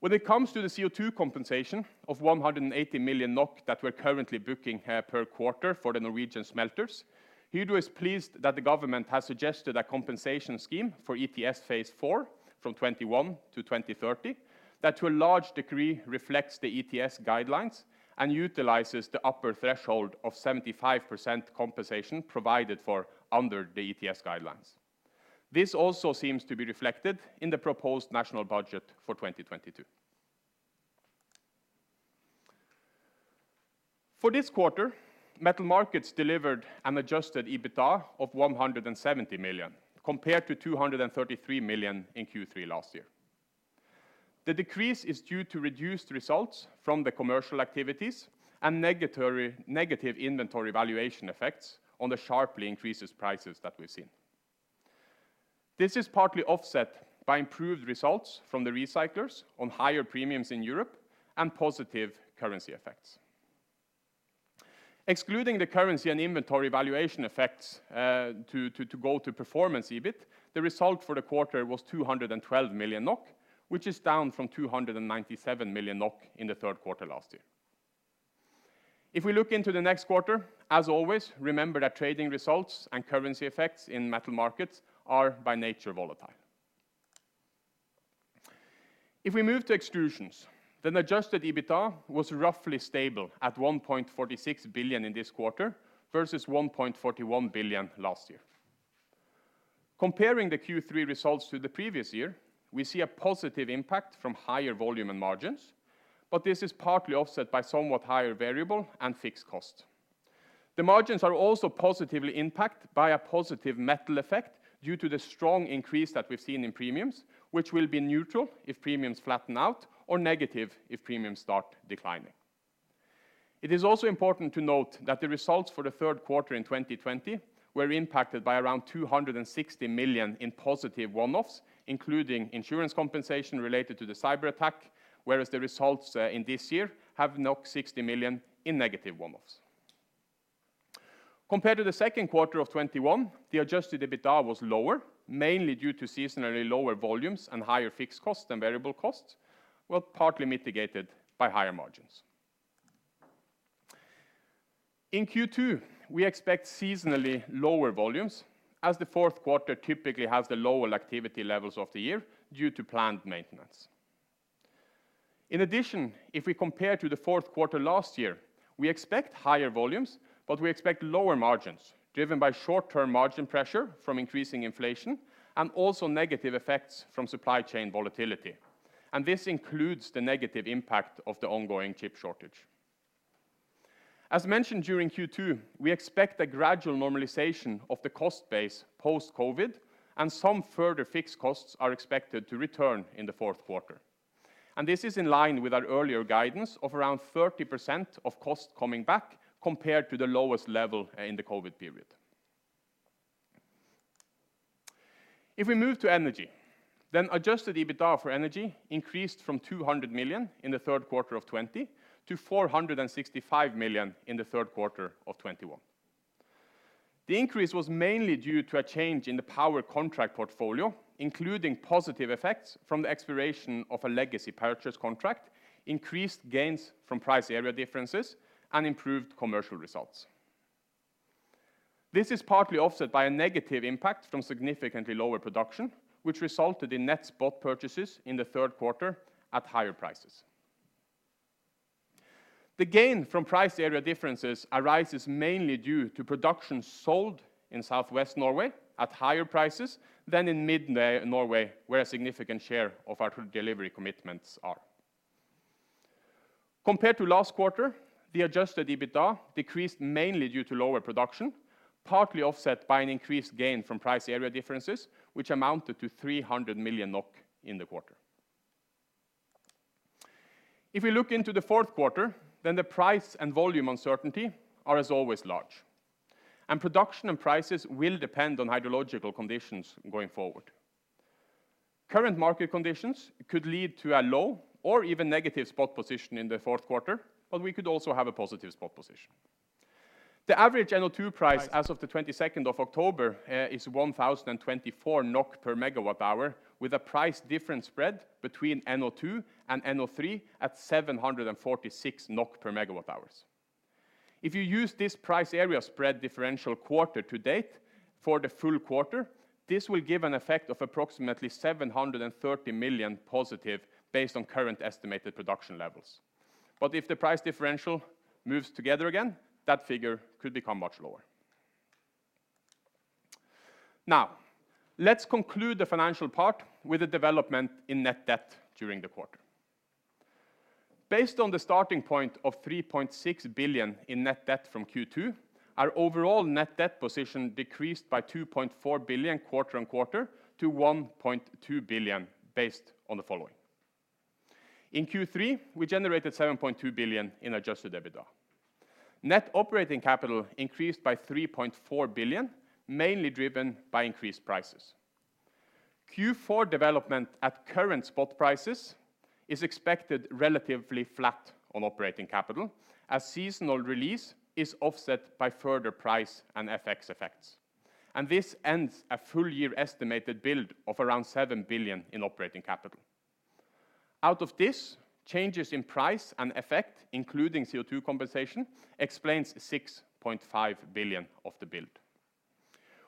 When it comes to the CO2 compensation of 180 million NOK that we're currently booking here per quarter for the Norwegian smelters, Hydro is pleased that the government has suggested a compensation scheme for ETS phase IV from 2021 to 2030 that to a large degree reflects the ETS guidelines and utilizes the upper threshold of 75% compensation provided for under the ETS guidelines. This also seems to be reflected in the proposed national budget for 2022. For this quarter, Metal Markets delivered an Adjusted EBITDA of 170 million, compared to 233 million in Q3 last year. The decrease is due to reduced results from the commercial activities and negative inventory valuation effects on the sharply increased prices that we've seen. This is partly offset by improved results from the recyclers on higher premiums in Europe and positive currency effects. Excluding the currency and inventory valuation effects, performance EBIT, the result for the quarter was 212 million NOK, which is down from 297 million NOK in the third quarter last year. If we look into the next quarter, as always, remember that trading results and currency effects in Metal Markets are by nature volatile. If we move to Extrusions, then Adjusted EBITDA was roughly stable at 1.46 billion in this quarter versus 1.41 billion last year. Comparing the Q3 results to the previous year, we see a positive impact from higher volume and margins, but this is partly offset by somewhat higher variable and fixed costs. The margins are also positively impacted by a positive metal effect due to the strong increase that we've seen in premiums, which will be neutral if premiums flatten out or negative if premiums start declining. It is also important to note that the results for the third quarter in 2020 were impacted by around 260 million in positive one-offs, including insurance compensation related to the cyberattack, whereas the results in this year have 60 million in negative one-offs. Compared to the second quarter of 2021, the Adjusted EBITDA was lower, mainly due to seasonally lower volumes and higher fixed costs than variable costs, partly mitigated by higher margins. In Q2, we expect seasonally lower volumes as the fourth quarter typically has the lower activity levels of the year due to plant maintenance. In addition, if we compare to the fourth quarter last year, we expect higher volumes, but we expect lower margins driven by short-term margin pressure from increasing inflation and also negative effects from supply chain volatility. This includes the negative impact of the ongoing chip shortage. As mentioned during Q2, we expect a gradual normalization of the cost base post COVID and some further fixed costs are expected to return in the fourth quarter. This is in line with our earlier guidance of around 30% of costs coming back compared to the lowest level in the COVID period. If we move to Energy, Adjusted EBITDA for Energy increased from 200 million in the third quarter of 2020 to 465 million in the third quarter of 2021. The increase was mainly due to a change in the power contract portfolio, including positive effects from the expiration of a legacy purchase contract, increased gains from price area differences, and improved commercial results. This is partly offset by a negative impact from significantly lower production, which resulted in net spot purchases in the third quarter at higher prices. The gain from price area differences arises mainly due to production sold in Southwest Norway at higher prices than in Mid-Norway, where a significant share of our delivery commitments are. Compared to last quarter, the Adjusted EBITDA decreased mainly due to lower production, partly offset by an increased gain from price area differences, which amounted to 300 million NOK in the quarter. If we look into the fourth quarter, then the price and volume uncertainty are as always large, and production and prices will depend on hydrological conditions going forward. Current market conditions could lead to a low or even negative spot position in the fourth quarter, but we could also have a positive spot position. The average NO2 price as of the October 22nd is 1,024 NOK per MWh, with a price difference spread between NO2 and NO3 at 746 NOK per MWh. If you use this price area spread differential quarter to date for the full quarter, this will give an effect of approximately 730 million positive based on current estimated production levels. If the price differential moves together again, that figure could become much lower. Now, let's conclude the financial part with the development in net debt during the quarter. Based on the starting point of 3.6 billion in net debt from Q2, our overall net debt position decreased by 2.4 billion quarter on quarter to 1.2 billion based on the following. In Q3, we generated 7.2 billion in Adjusted EBITDA. Net operating capital increased by 3.4 billion, mainly driven by increased prices. Q4 development at current spot prices is expected relatively flat on operating capital as seasonal release is offset by further price and FX effects. This ends a full year estimated build of around 7 billion in operating capital. Out of this, changes in price and FX effect, including CO2 compensation, explains 6.5 billion of the build.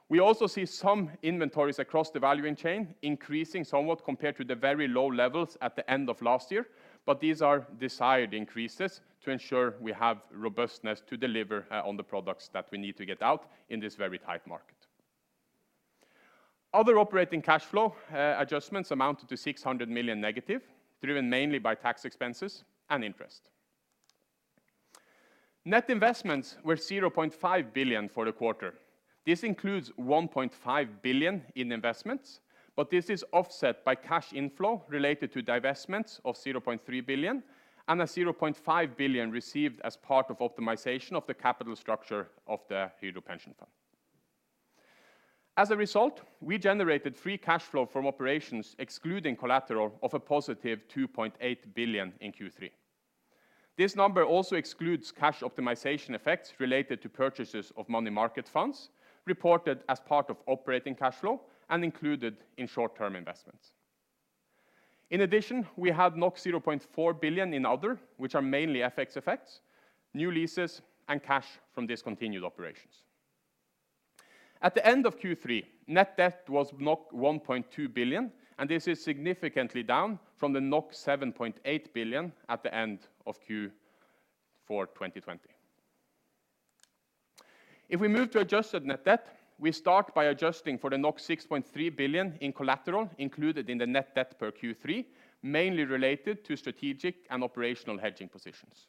We also see some inventories across the value chain increasing somewhat compared to the very low levels at the end of last year, but these are desired increases to ensure we have robustness to deliver on the products that we need to get out in this very tight market. Other operating cash flow adjustments amounted to 600 million negative, driven mainly by tax expenses and interest. Net investments were 0.5 billion for the quarter. This includes 1.5 billion in investments, but this is offset by cash inflow related to divestments of 0.3 billion and 0.5 billion received as part of optimization of the capital structure of the Hydro pension fund. As a result, we generated free cash flow from operations excluding collateral of a positive 2.8 billion in Q3. This number also excludes cash optimization effects related to purchases of money market funds reported as part of operating cash flow and included in short-term investments. In addition, we had 0.4 billion in other, which are mainly FX effects, new leases, and cash from discontinued operations. At the end of Q3, net debt was 1.2 billion, and this is significantly down from the 7.8 billion at the end of Q4 2020. If we move to adjusted net debt, we start by adjusting for the 6.3 billion in collateral included in the net debt per Q3, mainly related to strategic and operational hedging positions.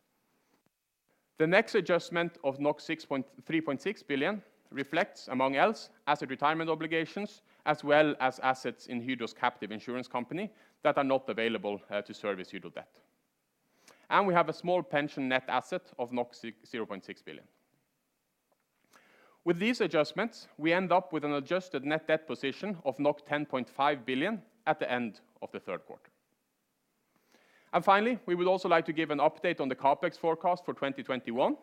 The next adjustment of 3.6 billion reflects, among else, asset retirement obligations, as well as assets in Hydro's captive insurance company that are not available to service Hydro debt. We have a small pension net asset of 0.6 billion. With these adjustments, we end up with an adjusted net debt position of 10.5 billion at the end of the third quarter. Finally, we would also like to give an update on the CapEx forecast for 2021.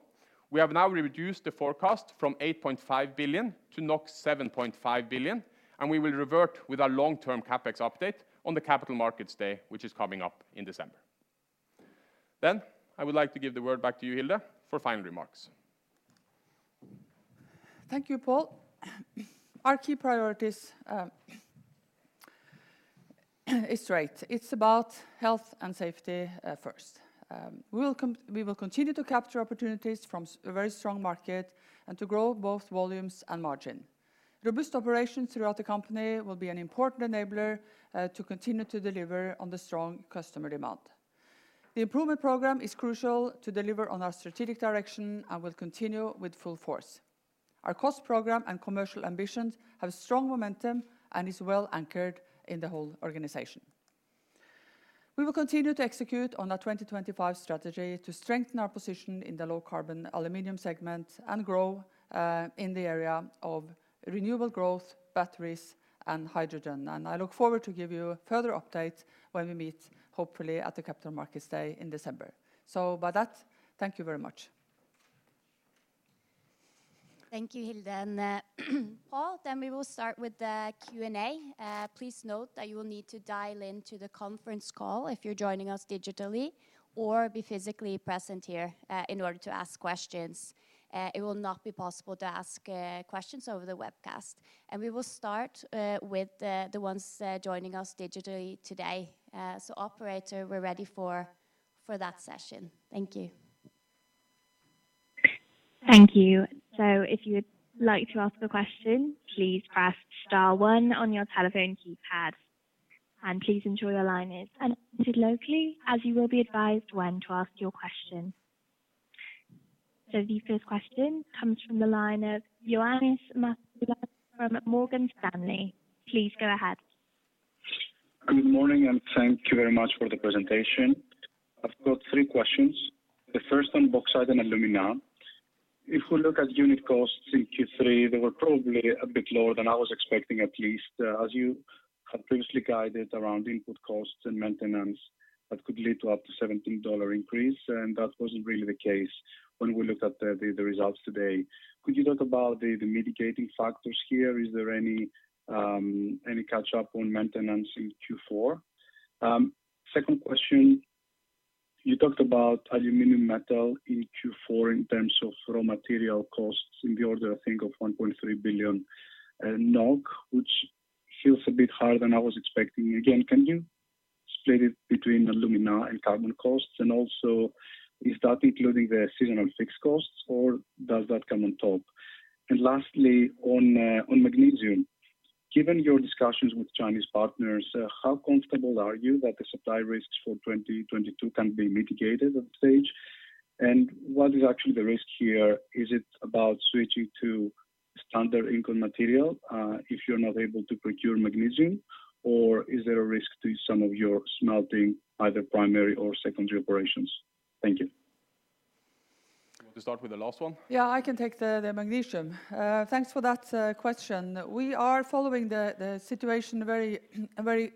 We have now reduced the forecast from 8.5 billion to 7.5 billion, and we will revert with our long-term CapEx update on the Capital Markets Day, which is coming up in December. I would like to give the word back to you, Hilde, for final remarks. Thank you, Pål. Our key priorities is right. It's about health and safety first. We will continue to capture opportunities from a very strong market and to grow both volumes and margin. Robust operations throughout the company will be an important enabler to continue to deliver on the strong customer demand. The improvement program is crucial to deliver on our strategic direction and will continue with full force. Our cost program and commercial ambitions have strong momentum and is well anchored in the whole organization. We will continue to execute on our 2025 strategy to strengthen our position in the low-carbon aluminum segment and grow in the area of renewable growth, batteries, and hydrogen. I look forward to give you further updates when we meet, hopefully, at the Capital Markets Day in December. By that, thank you very much. Thank you, Hilde and, Pål. We will start with the Q&A. Please note that you will need to dial into the conference call if you're joining us digitally or be physically present here, in order to ask questions. It will not be possible to ask questions over the webcast. We will start with the ones joining us digitally today. Operator, we're ready for that session. Thank you. Thank you. If you would like to ask a question, please press star one on your telephone keypad. Please ensure your line is unmuted locally as you will be advised when to ask your question. The first question comes from the line of Ioannis Masvoulas from Morgan Stanley. Please go ahead. Good morning, and thank you very much for the presentation. I've got three questions. The first on Bauxite & Alumina. If we look at unit costs in Q3, they were probably a bit lower than I was expecting, at least, as you had previously guided around input costs and maintenance that could lead to up to $17 increase, and that wasn't really the case when we looked at the results today. Could you talk about the mitigating factors here? Is there any catch-up on maintenance in Q4? Second question, you talked about aluminum metal in Q4 in terms of raw material costs in the order, I think, of 1.3 billion NOK, which feels a bit higher than I was expecting. Again, can you split it between alumina and carbon costs? Also, is that including the seasonal fixed costs or does that come on top? Lastly, on magnesium, given your discussions with Chinese partners, how comfortable are you that the supply risks for 2022 can be mitigated at this stage? What is actually the risk here? Is it about switching to standard ingot material, if you're not able to procure magnesium? Or is there a risk to some of your smelting, either primary or secondary operations? Thank you. Do you want to start with the last one? Yeah, I can take the magnesium. Thanks for that question. We are following the situation very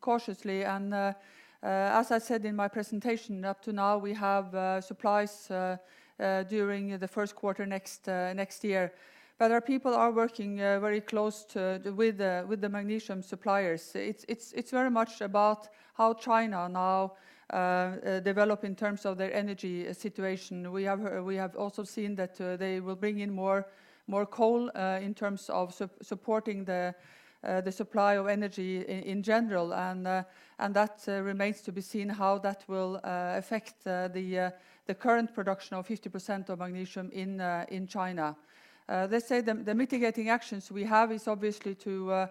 cautiously. As I said in my presentation, up to now, we have supplies during the first quarter next year. Our people are working very close with the magnesium suppliers. It's very much about how China now develop in terms of their energy situation. We have also seen that they will bring in more coal in terms of supporting the supply of energy in general. That remains to be seen how that will affect the current production of 50% of magnesium in China. Let's say the mitigating actions we have is obviously to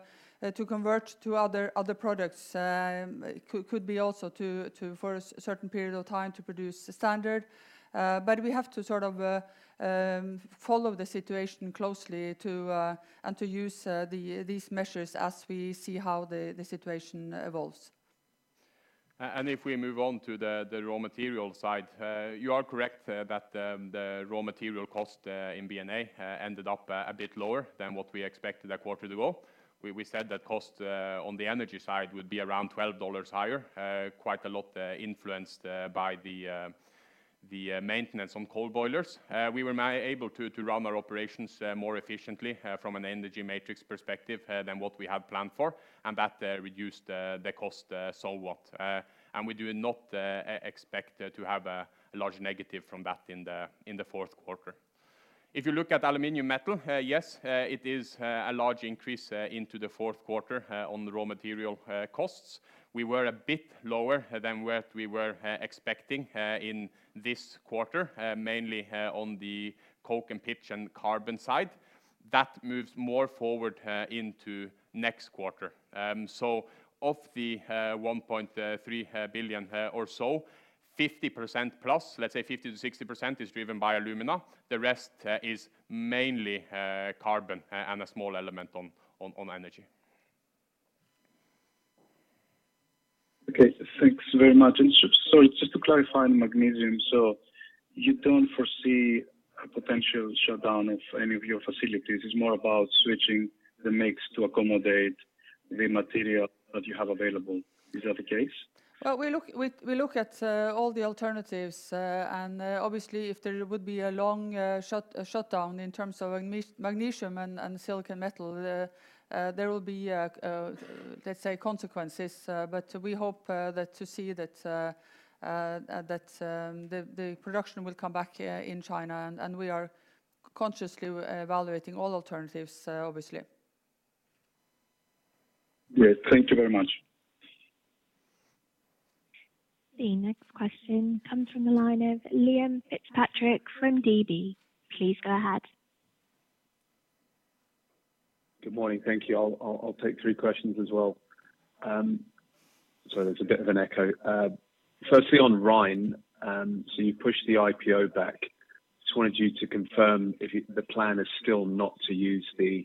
convert to other products. It could be also to for a certain period of time to produce standard. We have to sort of follow the situation closely to and to use these measures as we see how the situation evolves. If we move on to the raw material side, you are correct that the raw material cost in B&A ended up a bit lower than what we expected a quarter ago. We said that cost on the energy side would be around $12 higher, quite a lot influenced by the maintenance on coal boilers. We were now able to run our operations more efficiently from an energy matrix perspective than what we had planned for, and that reduced the cost somewhat. We do not expect to have a large negative from that in the fourth quarter. If you look at aluminum metal, yes, it is a large increase into the fourth quarter on the raw material costs. We were a bit lower than what we were expecting in this quarter, mainly on the coke and pitch and carbon side. That moves more forward into next quarter. Of the 1.3 billion or so, 50%+, let's say 50%-60% is driven by alumina. The rest is mainly carbon and a small element on energy. Okay. Thanks very much. Sorry, just to clarify on magnesium. You don't foresee a potential shutdown of any of your facilities. It's more about switching the mix to accommodate the material that you have available. Is that the case? Well, we look at all the alternatives. Obviously, if there would be a long shutdown in terms of magnesium and silicon metal, there will be, let's say, consequences. We hope to see that the production will come back in China. We are consciously evaluating all alternatives, obviously. Great. Thank you very much. The next question comes from the line of Liam Fitzpatrick from DB. Please go ahead. Good morning. Thank you. I'll take three questions as well. Sorry, there's a bit of an echo. Firstly, on Hydro Rein, you pushed the IPO back. Just wanted you to confirm if the plan is still not to use the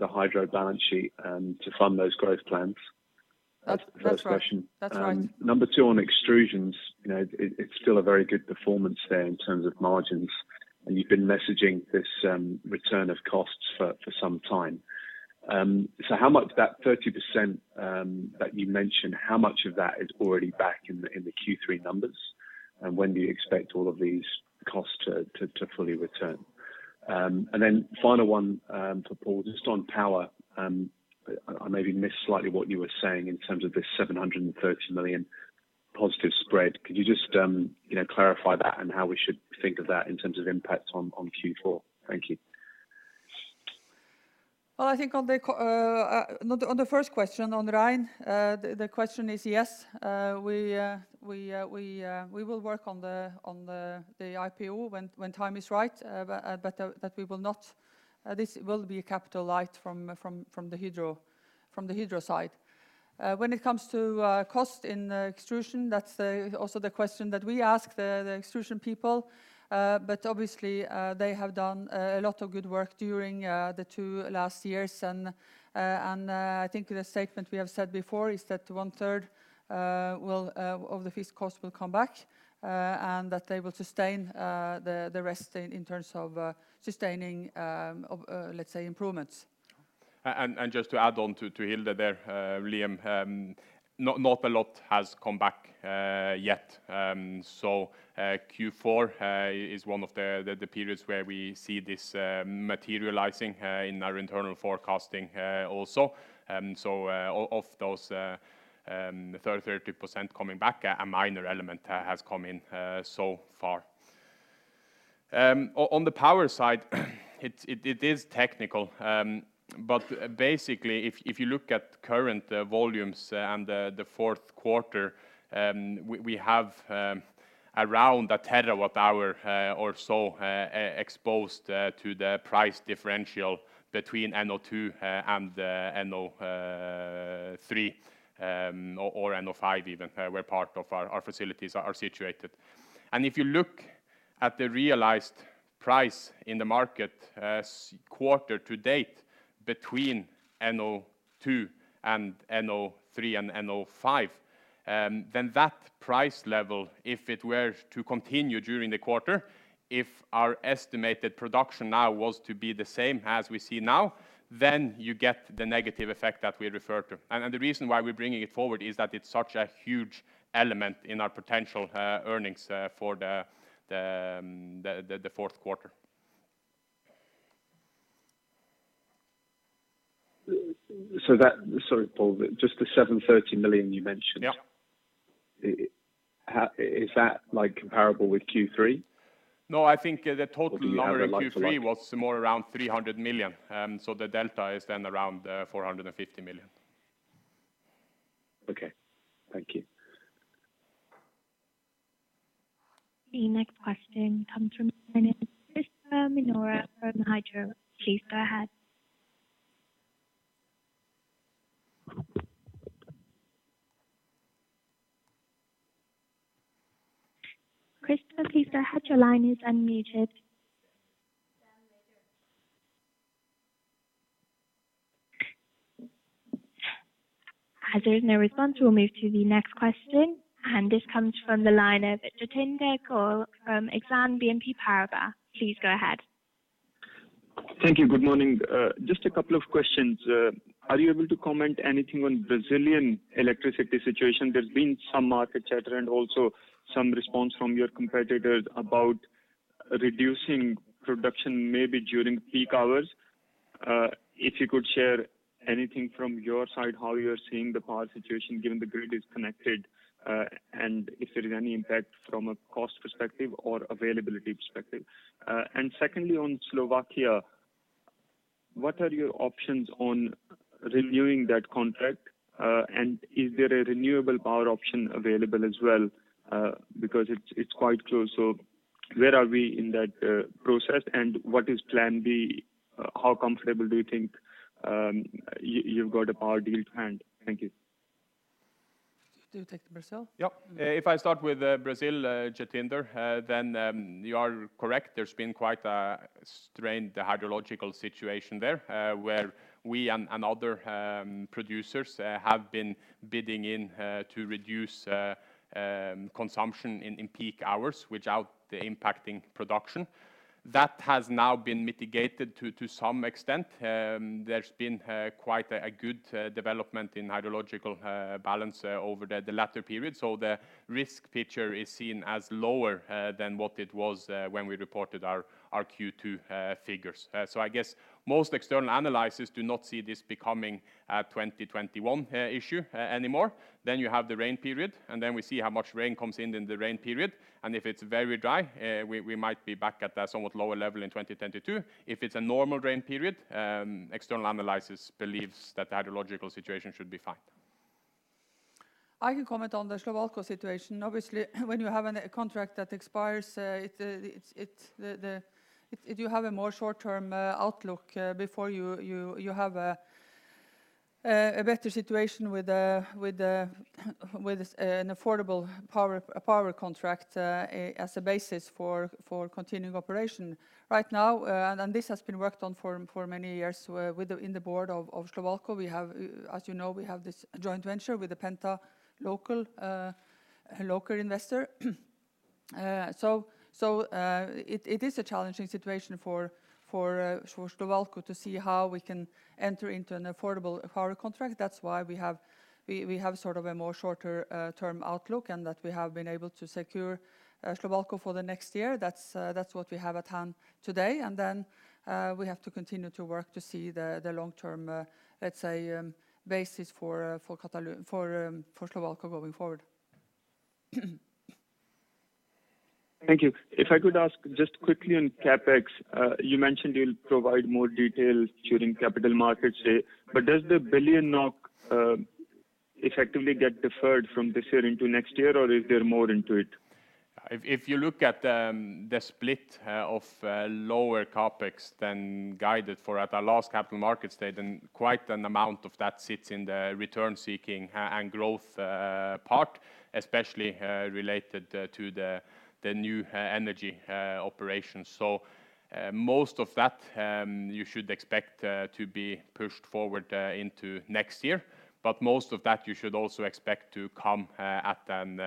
Hydro balance sheet to fund those growth plans. That's right. First question. That's right. Number two, on Extrusions, you know, it's still a very good performance there in terms of margins, and you've been messaging this return of costs for some time. So how much of that 30% that you mentioned, how much of that is already back in the Q3 numbers? And when do you expect all of these costs to fully return? And then final one, for Pål, just on power, I maybe missed slightly what you were saying in terms of this 730 million positive spread. Could you just clarify that and how we should think of that in terms of impact on Q4? Thank you. Well, I think on the first question on Rein, the question is yes. We will work on the IPO when time is right, but we will not. This will be capital light from the Hydro side. When it comes to costs in Extrusions, that's also the question that we ask the Extrusions people, but obviously they have done a lot of good work during the last two years. I think the statement we have said before is that one-third of the fixed costs will come back, and that they will sustain the rest in terms of sustaining, let's say, improvements. Just to add on to Hilde there, Liam, not a lot has come back yet. Q4 is one of the periods where we see this materializing in our internal forecasting also. Of those 30% coming back, a minor element has come in so far. On the power side, it is technical, but basically if you look at current volumes and the fourth quarter, we have around 1 terawatt-hour or so exposed to the price differential between NO2 and the NO3 or NO5 even, where part of our facilities are situated. If you look at the realized price in the market, quarter to date between NO2 and NO3 and NO5, then that price level, if it were to continue during the quarter, if our estimated production now was to be the same as we see now, then you get the negative effect that we referred to. The reason why we're bringing it forward is that it's such a huge element in our potential earnings for the fourth quarter. Sorry, Paul, just the 730 million you mentioned. Yeah. Is that like comparable with Q3? No, I think the total. Do you have a like-for-like? Volume Q3 was more around 300 million. The delta is then around 450 million. Okay. Thank you. The next question comes from Christopher Minora from Hydro. Please go ahead. Christoph, please go ahead. Your line is unmuted. As there is no response, we'll move to the next question. This comes from the line of Jatinder Goel from Exane BNP Paribas. Please go ahead. Thank you. Good morning. Just a couple of questions. Are you able to comment anything on Brazilian electricity situation? There's been some market chatter and also some response from your competitors about reducing production maybe during peak hours. If you could share anything from your side, how you're seeing the power situation given the grid is connected, and if there is any impact from a cost perspective or availability perspective. Secondly, on Slovakia, what are your options on renewing that contract? Is there a renewable power option available as well? Because it's quite close, so where are we in that process? What is plan B? How comfortable do you think you've got a power deal to hand? Thank you. Do take the Brazil. Yeah. If I start with Brazil, Jatinder, then you are correct. There's been quite a strained hydrological situation there, where we and other producers have been bidding in to reduce consumption in peak hours without impacting production. That has now been mitigated to some extent. There's been quite a good development in hydrological balance over the latter period. The risk picture is seen as lower than what it was when we reported our Q2 figures. I guess most external analysts do not see this becoming a 2021 issue anymore. You have the rain period, and we see how much rain comes in during the rain period. If it's very dry, we might be back at a somewhat lower level in 2022. If it's a normal rain period, external analysts believe that the hydrological situation should be fine. I can comment on the Slovalco situation. Obviously, when you have a contract that expires. If you have a more short-term outlook before you have a better situation with an affordable power contract as a basis for continuing operation. Right now this has been worked on for many years with the board of Slovalco. We have, as you know, this joint venture with the Penta local investor. It is a challenging situation for Slovalco to see how we can enter into an affordable power contract. That's why we have sort of a more shorter-term outlook, and that we have been able to secure Slovalco for the next year. That's what we have at hand today. We have to continue to work to see the long-term, let's say, basis for Slovalco going forward. Thank you. If I could ask just quickly on CapEx, you mentioned you'll provide more details during Capital Markets Day. Does 1 billion NOK effectively get deferred from this year into next year, or is there more into it? If you look at the split of lower CapEx than guided for at our last capital markets day, then quite an amount of that sits in the return-seeking and growth part, especially related to the new energy operations. Most of that you should expect to be pushed forward into next year. Most of that you should also expect to come at an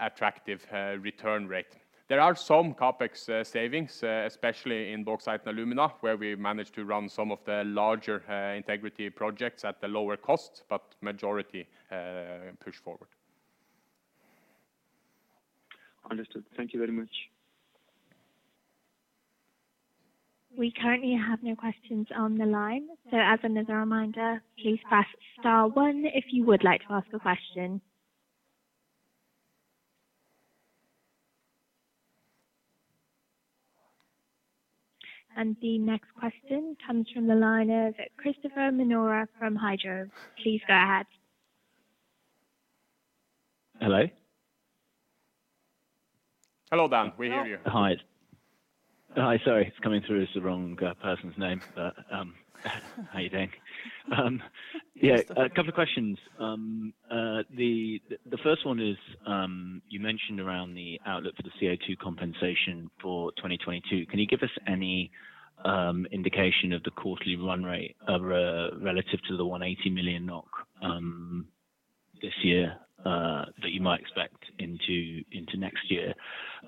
attractive return rate. There are some CapEx savings, especially in Bauxite & Alumina, where we managed to run some of the larger integrity projects at a lower cost, but majority pushed forward. Understood. Thank you very much. We currently have no questions on the line. As another reminder, please press star one if you would like to ask a question. The next question comes from the line of Christopher Minora from Hydro. Please go ahead. Hello? Hello, [Dan]. We hear you. Hello. Hi. Hi, sorry. It's coming through as the wrong person's name. How are you doing? Yeah, a couple of questions. The first one is you mentioned around the outlook for the CO2 compensation for 2022. Can you give us any indication of the quarterly run rate relative to the 180 million NOK this year that you might expect into next year?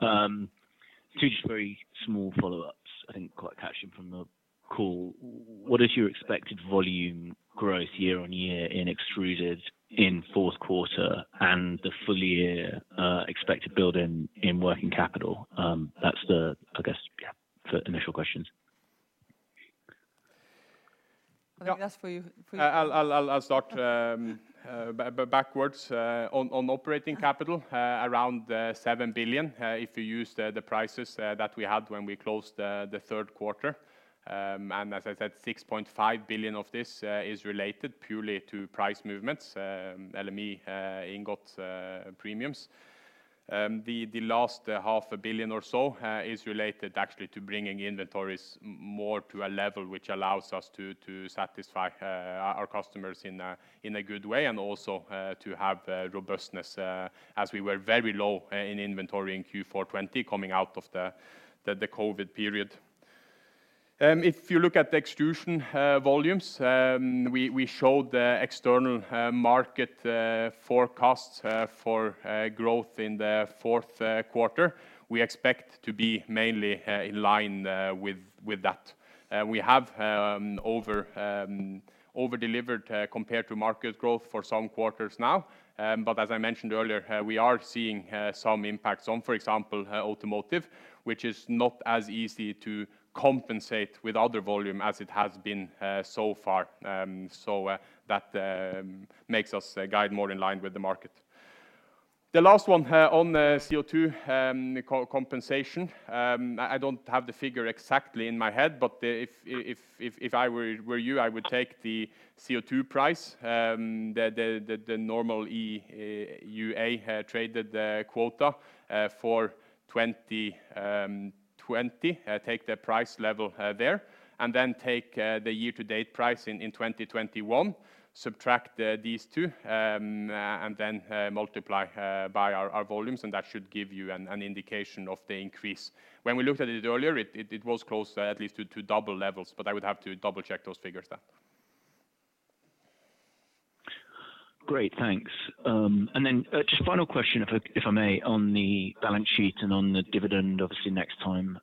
Two just very small follow-ups, I think, key points from the call. What is your expected volume growth year-on-year in Extrusions in fourth quarter and the full year, expected build in working capital? That's the initial questions. I think that's for you. I'll start backwards on operating capital around 7 billion if you use the prices that we had when we closed the third quarter. As I said, 6.5 billion of this is related purely to price movements, LME ingot premiums. The last 500 million or so is related actually to bringing inventories more to a level which allows us to satisfy our customers in a good way, and also to have robustness as we were very low in inventory in Q4 2020 coming out of the COVID period. If you look at the extrusion volumes, we showed the external market forecasts for growth in the fourth quarter. We expect to be mainly in line with that. We have over-delivered compared to market growth for some quarters now. But as I mentioned earlier, we are seeing some impacts on, for example, automotive, which is not as easy to compensate with other volume as it has been so far. That makes us guide more in line with the market. The last one on the CO2 co-compensation. I don't have the figure exactly in my head, but if I were you, I would take the CO2 price, the normal EUA traded quota for 2020. Take the price level there, and then take the year-to-date price in 2021, subtract these two, and then multiply by our volumes, and that should give you an indication of the increase. When we looked at it earlier, it was close at least to double levels, but I would have to double-check those figures then. Great, thanks. Then just final question, if I may, on the balance sheet and on the dividend, obviously next time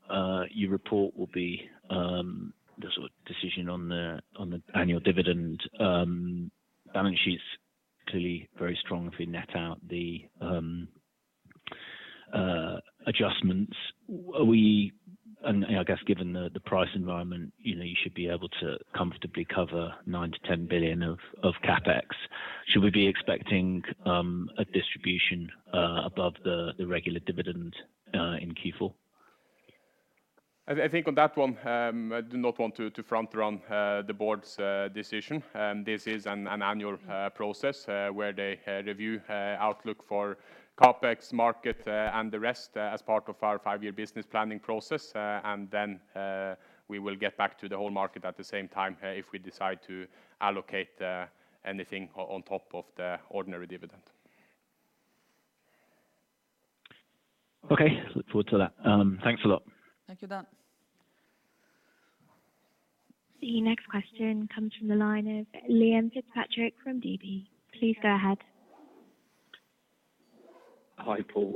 you report will be the sort of decision on the annual dividend. Balance sheet's clearly very strong if we net out the adjustments. I guess given the price environment, you know, you should be able to comfortably cover 9 billion-10 billion of CapEx. Should we be expecting a distribution above the regular dividend in Q4? I think on that one, I do not want to front run the board's decision. This is an annual process where they review outlook for CapEx market and the rest as part of our five-year business planning process. We will get back to the whole market at the same time if we decide to allocate anything on top of the ordinary dividend. Okay. Look forward to that. Thanks a lot. Thank you, [Dan]. The next question comes from the line of Liam Fitzpatrick from DB. Please go ahead. Hi, Pål.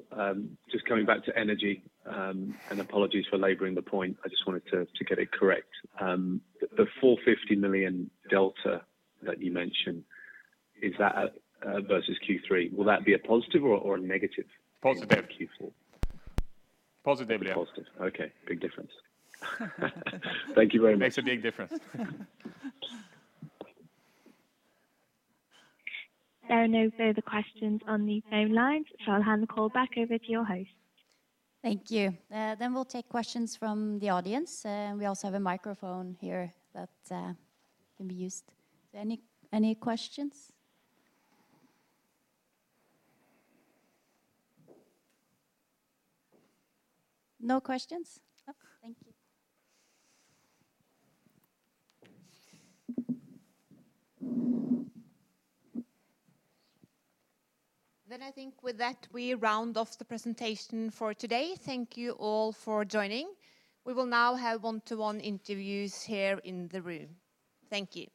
Just coming back to Energy, and apologies for laboring the point. I just wanted to get it correct. The 450 million delta that you mentioned, is that versus Q3? Will that be a positive or a negative- Positive In Q4? Positive. It'll be positive. Okay. Big difference. Thank you very much. Makes a big difference. There are no further questions on the phone lines, so I'll hand the call back over to your host. Thank you. We'll take questions from the audience. We also have a microphone here that can be used. Any questions? No questions? Oh, thank you. I think with that, we round off the presentation for today. Thank you all for joining. We will now have one-to-one interviews here in the room. Thank you.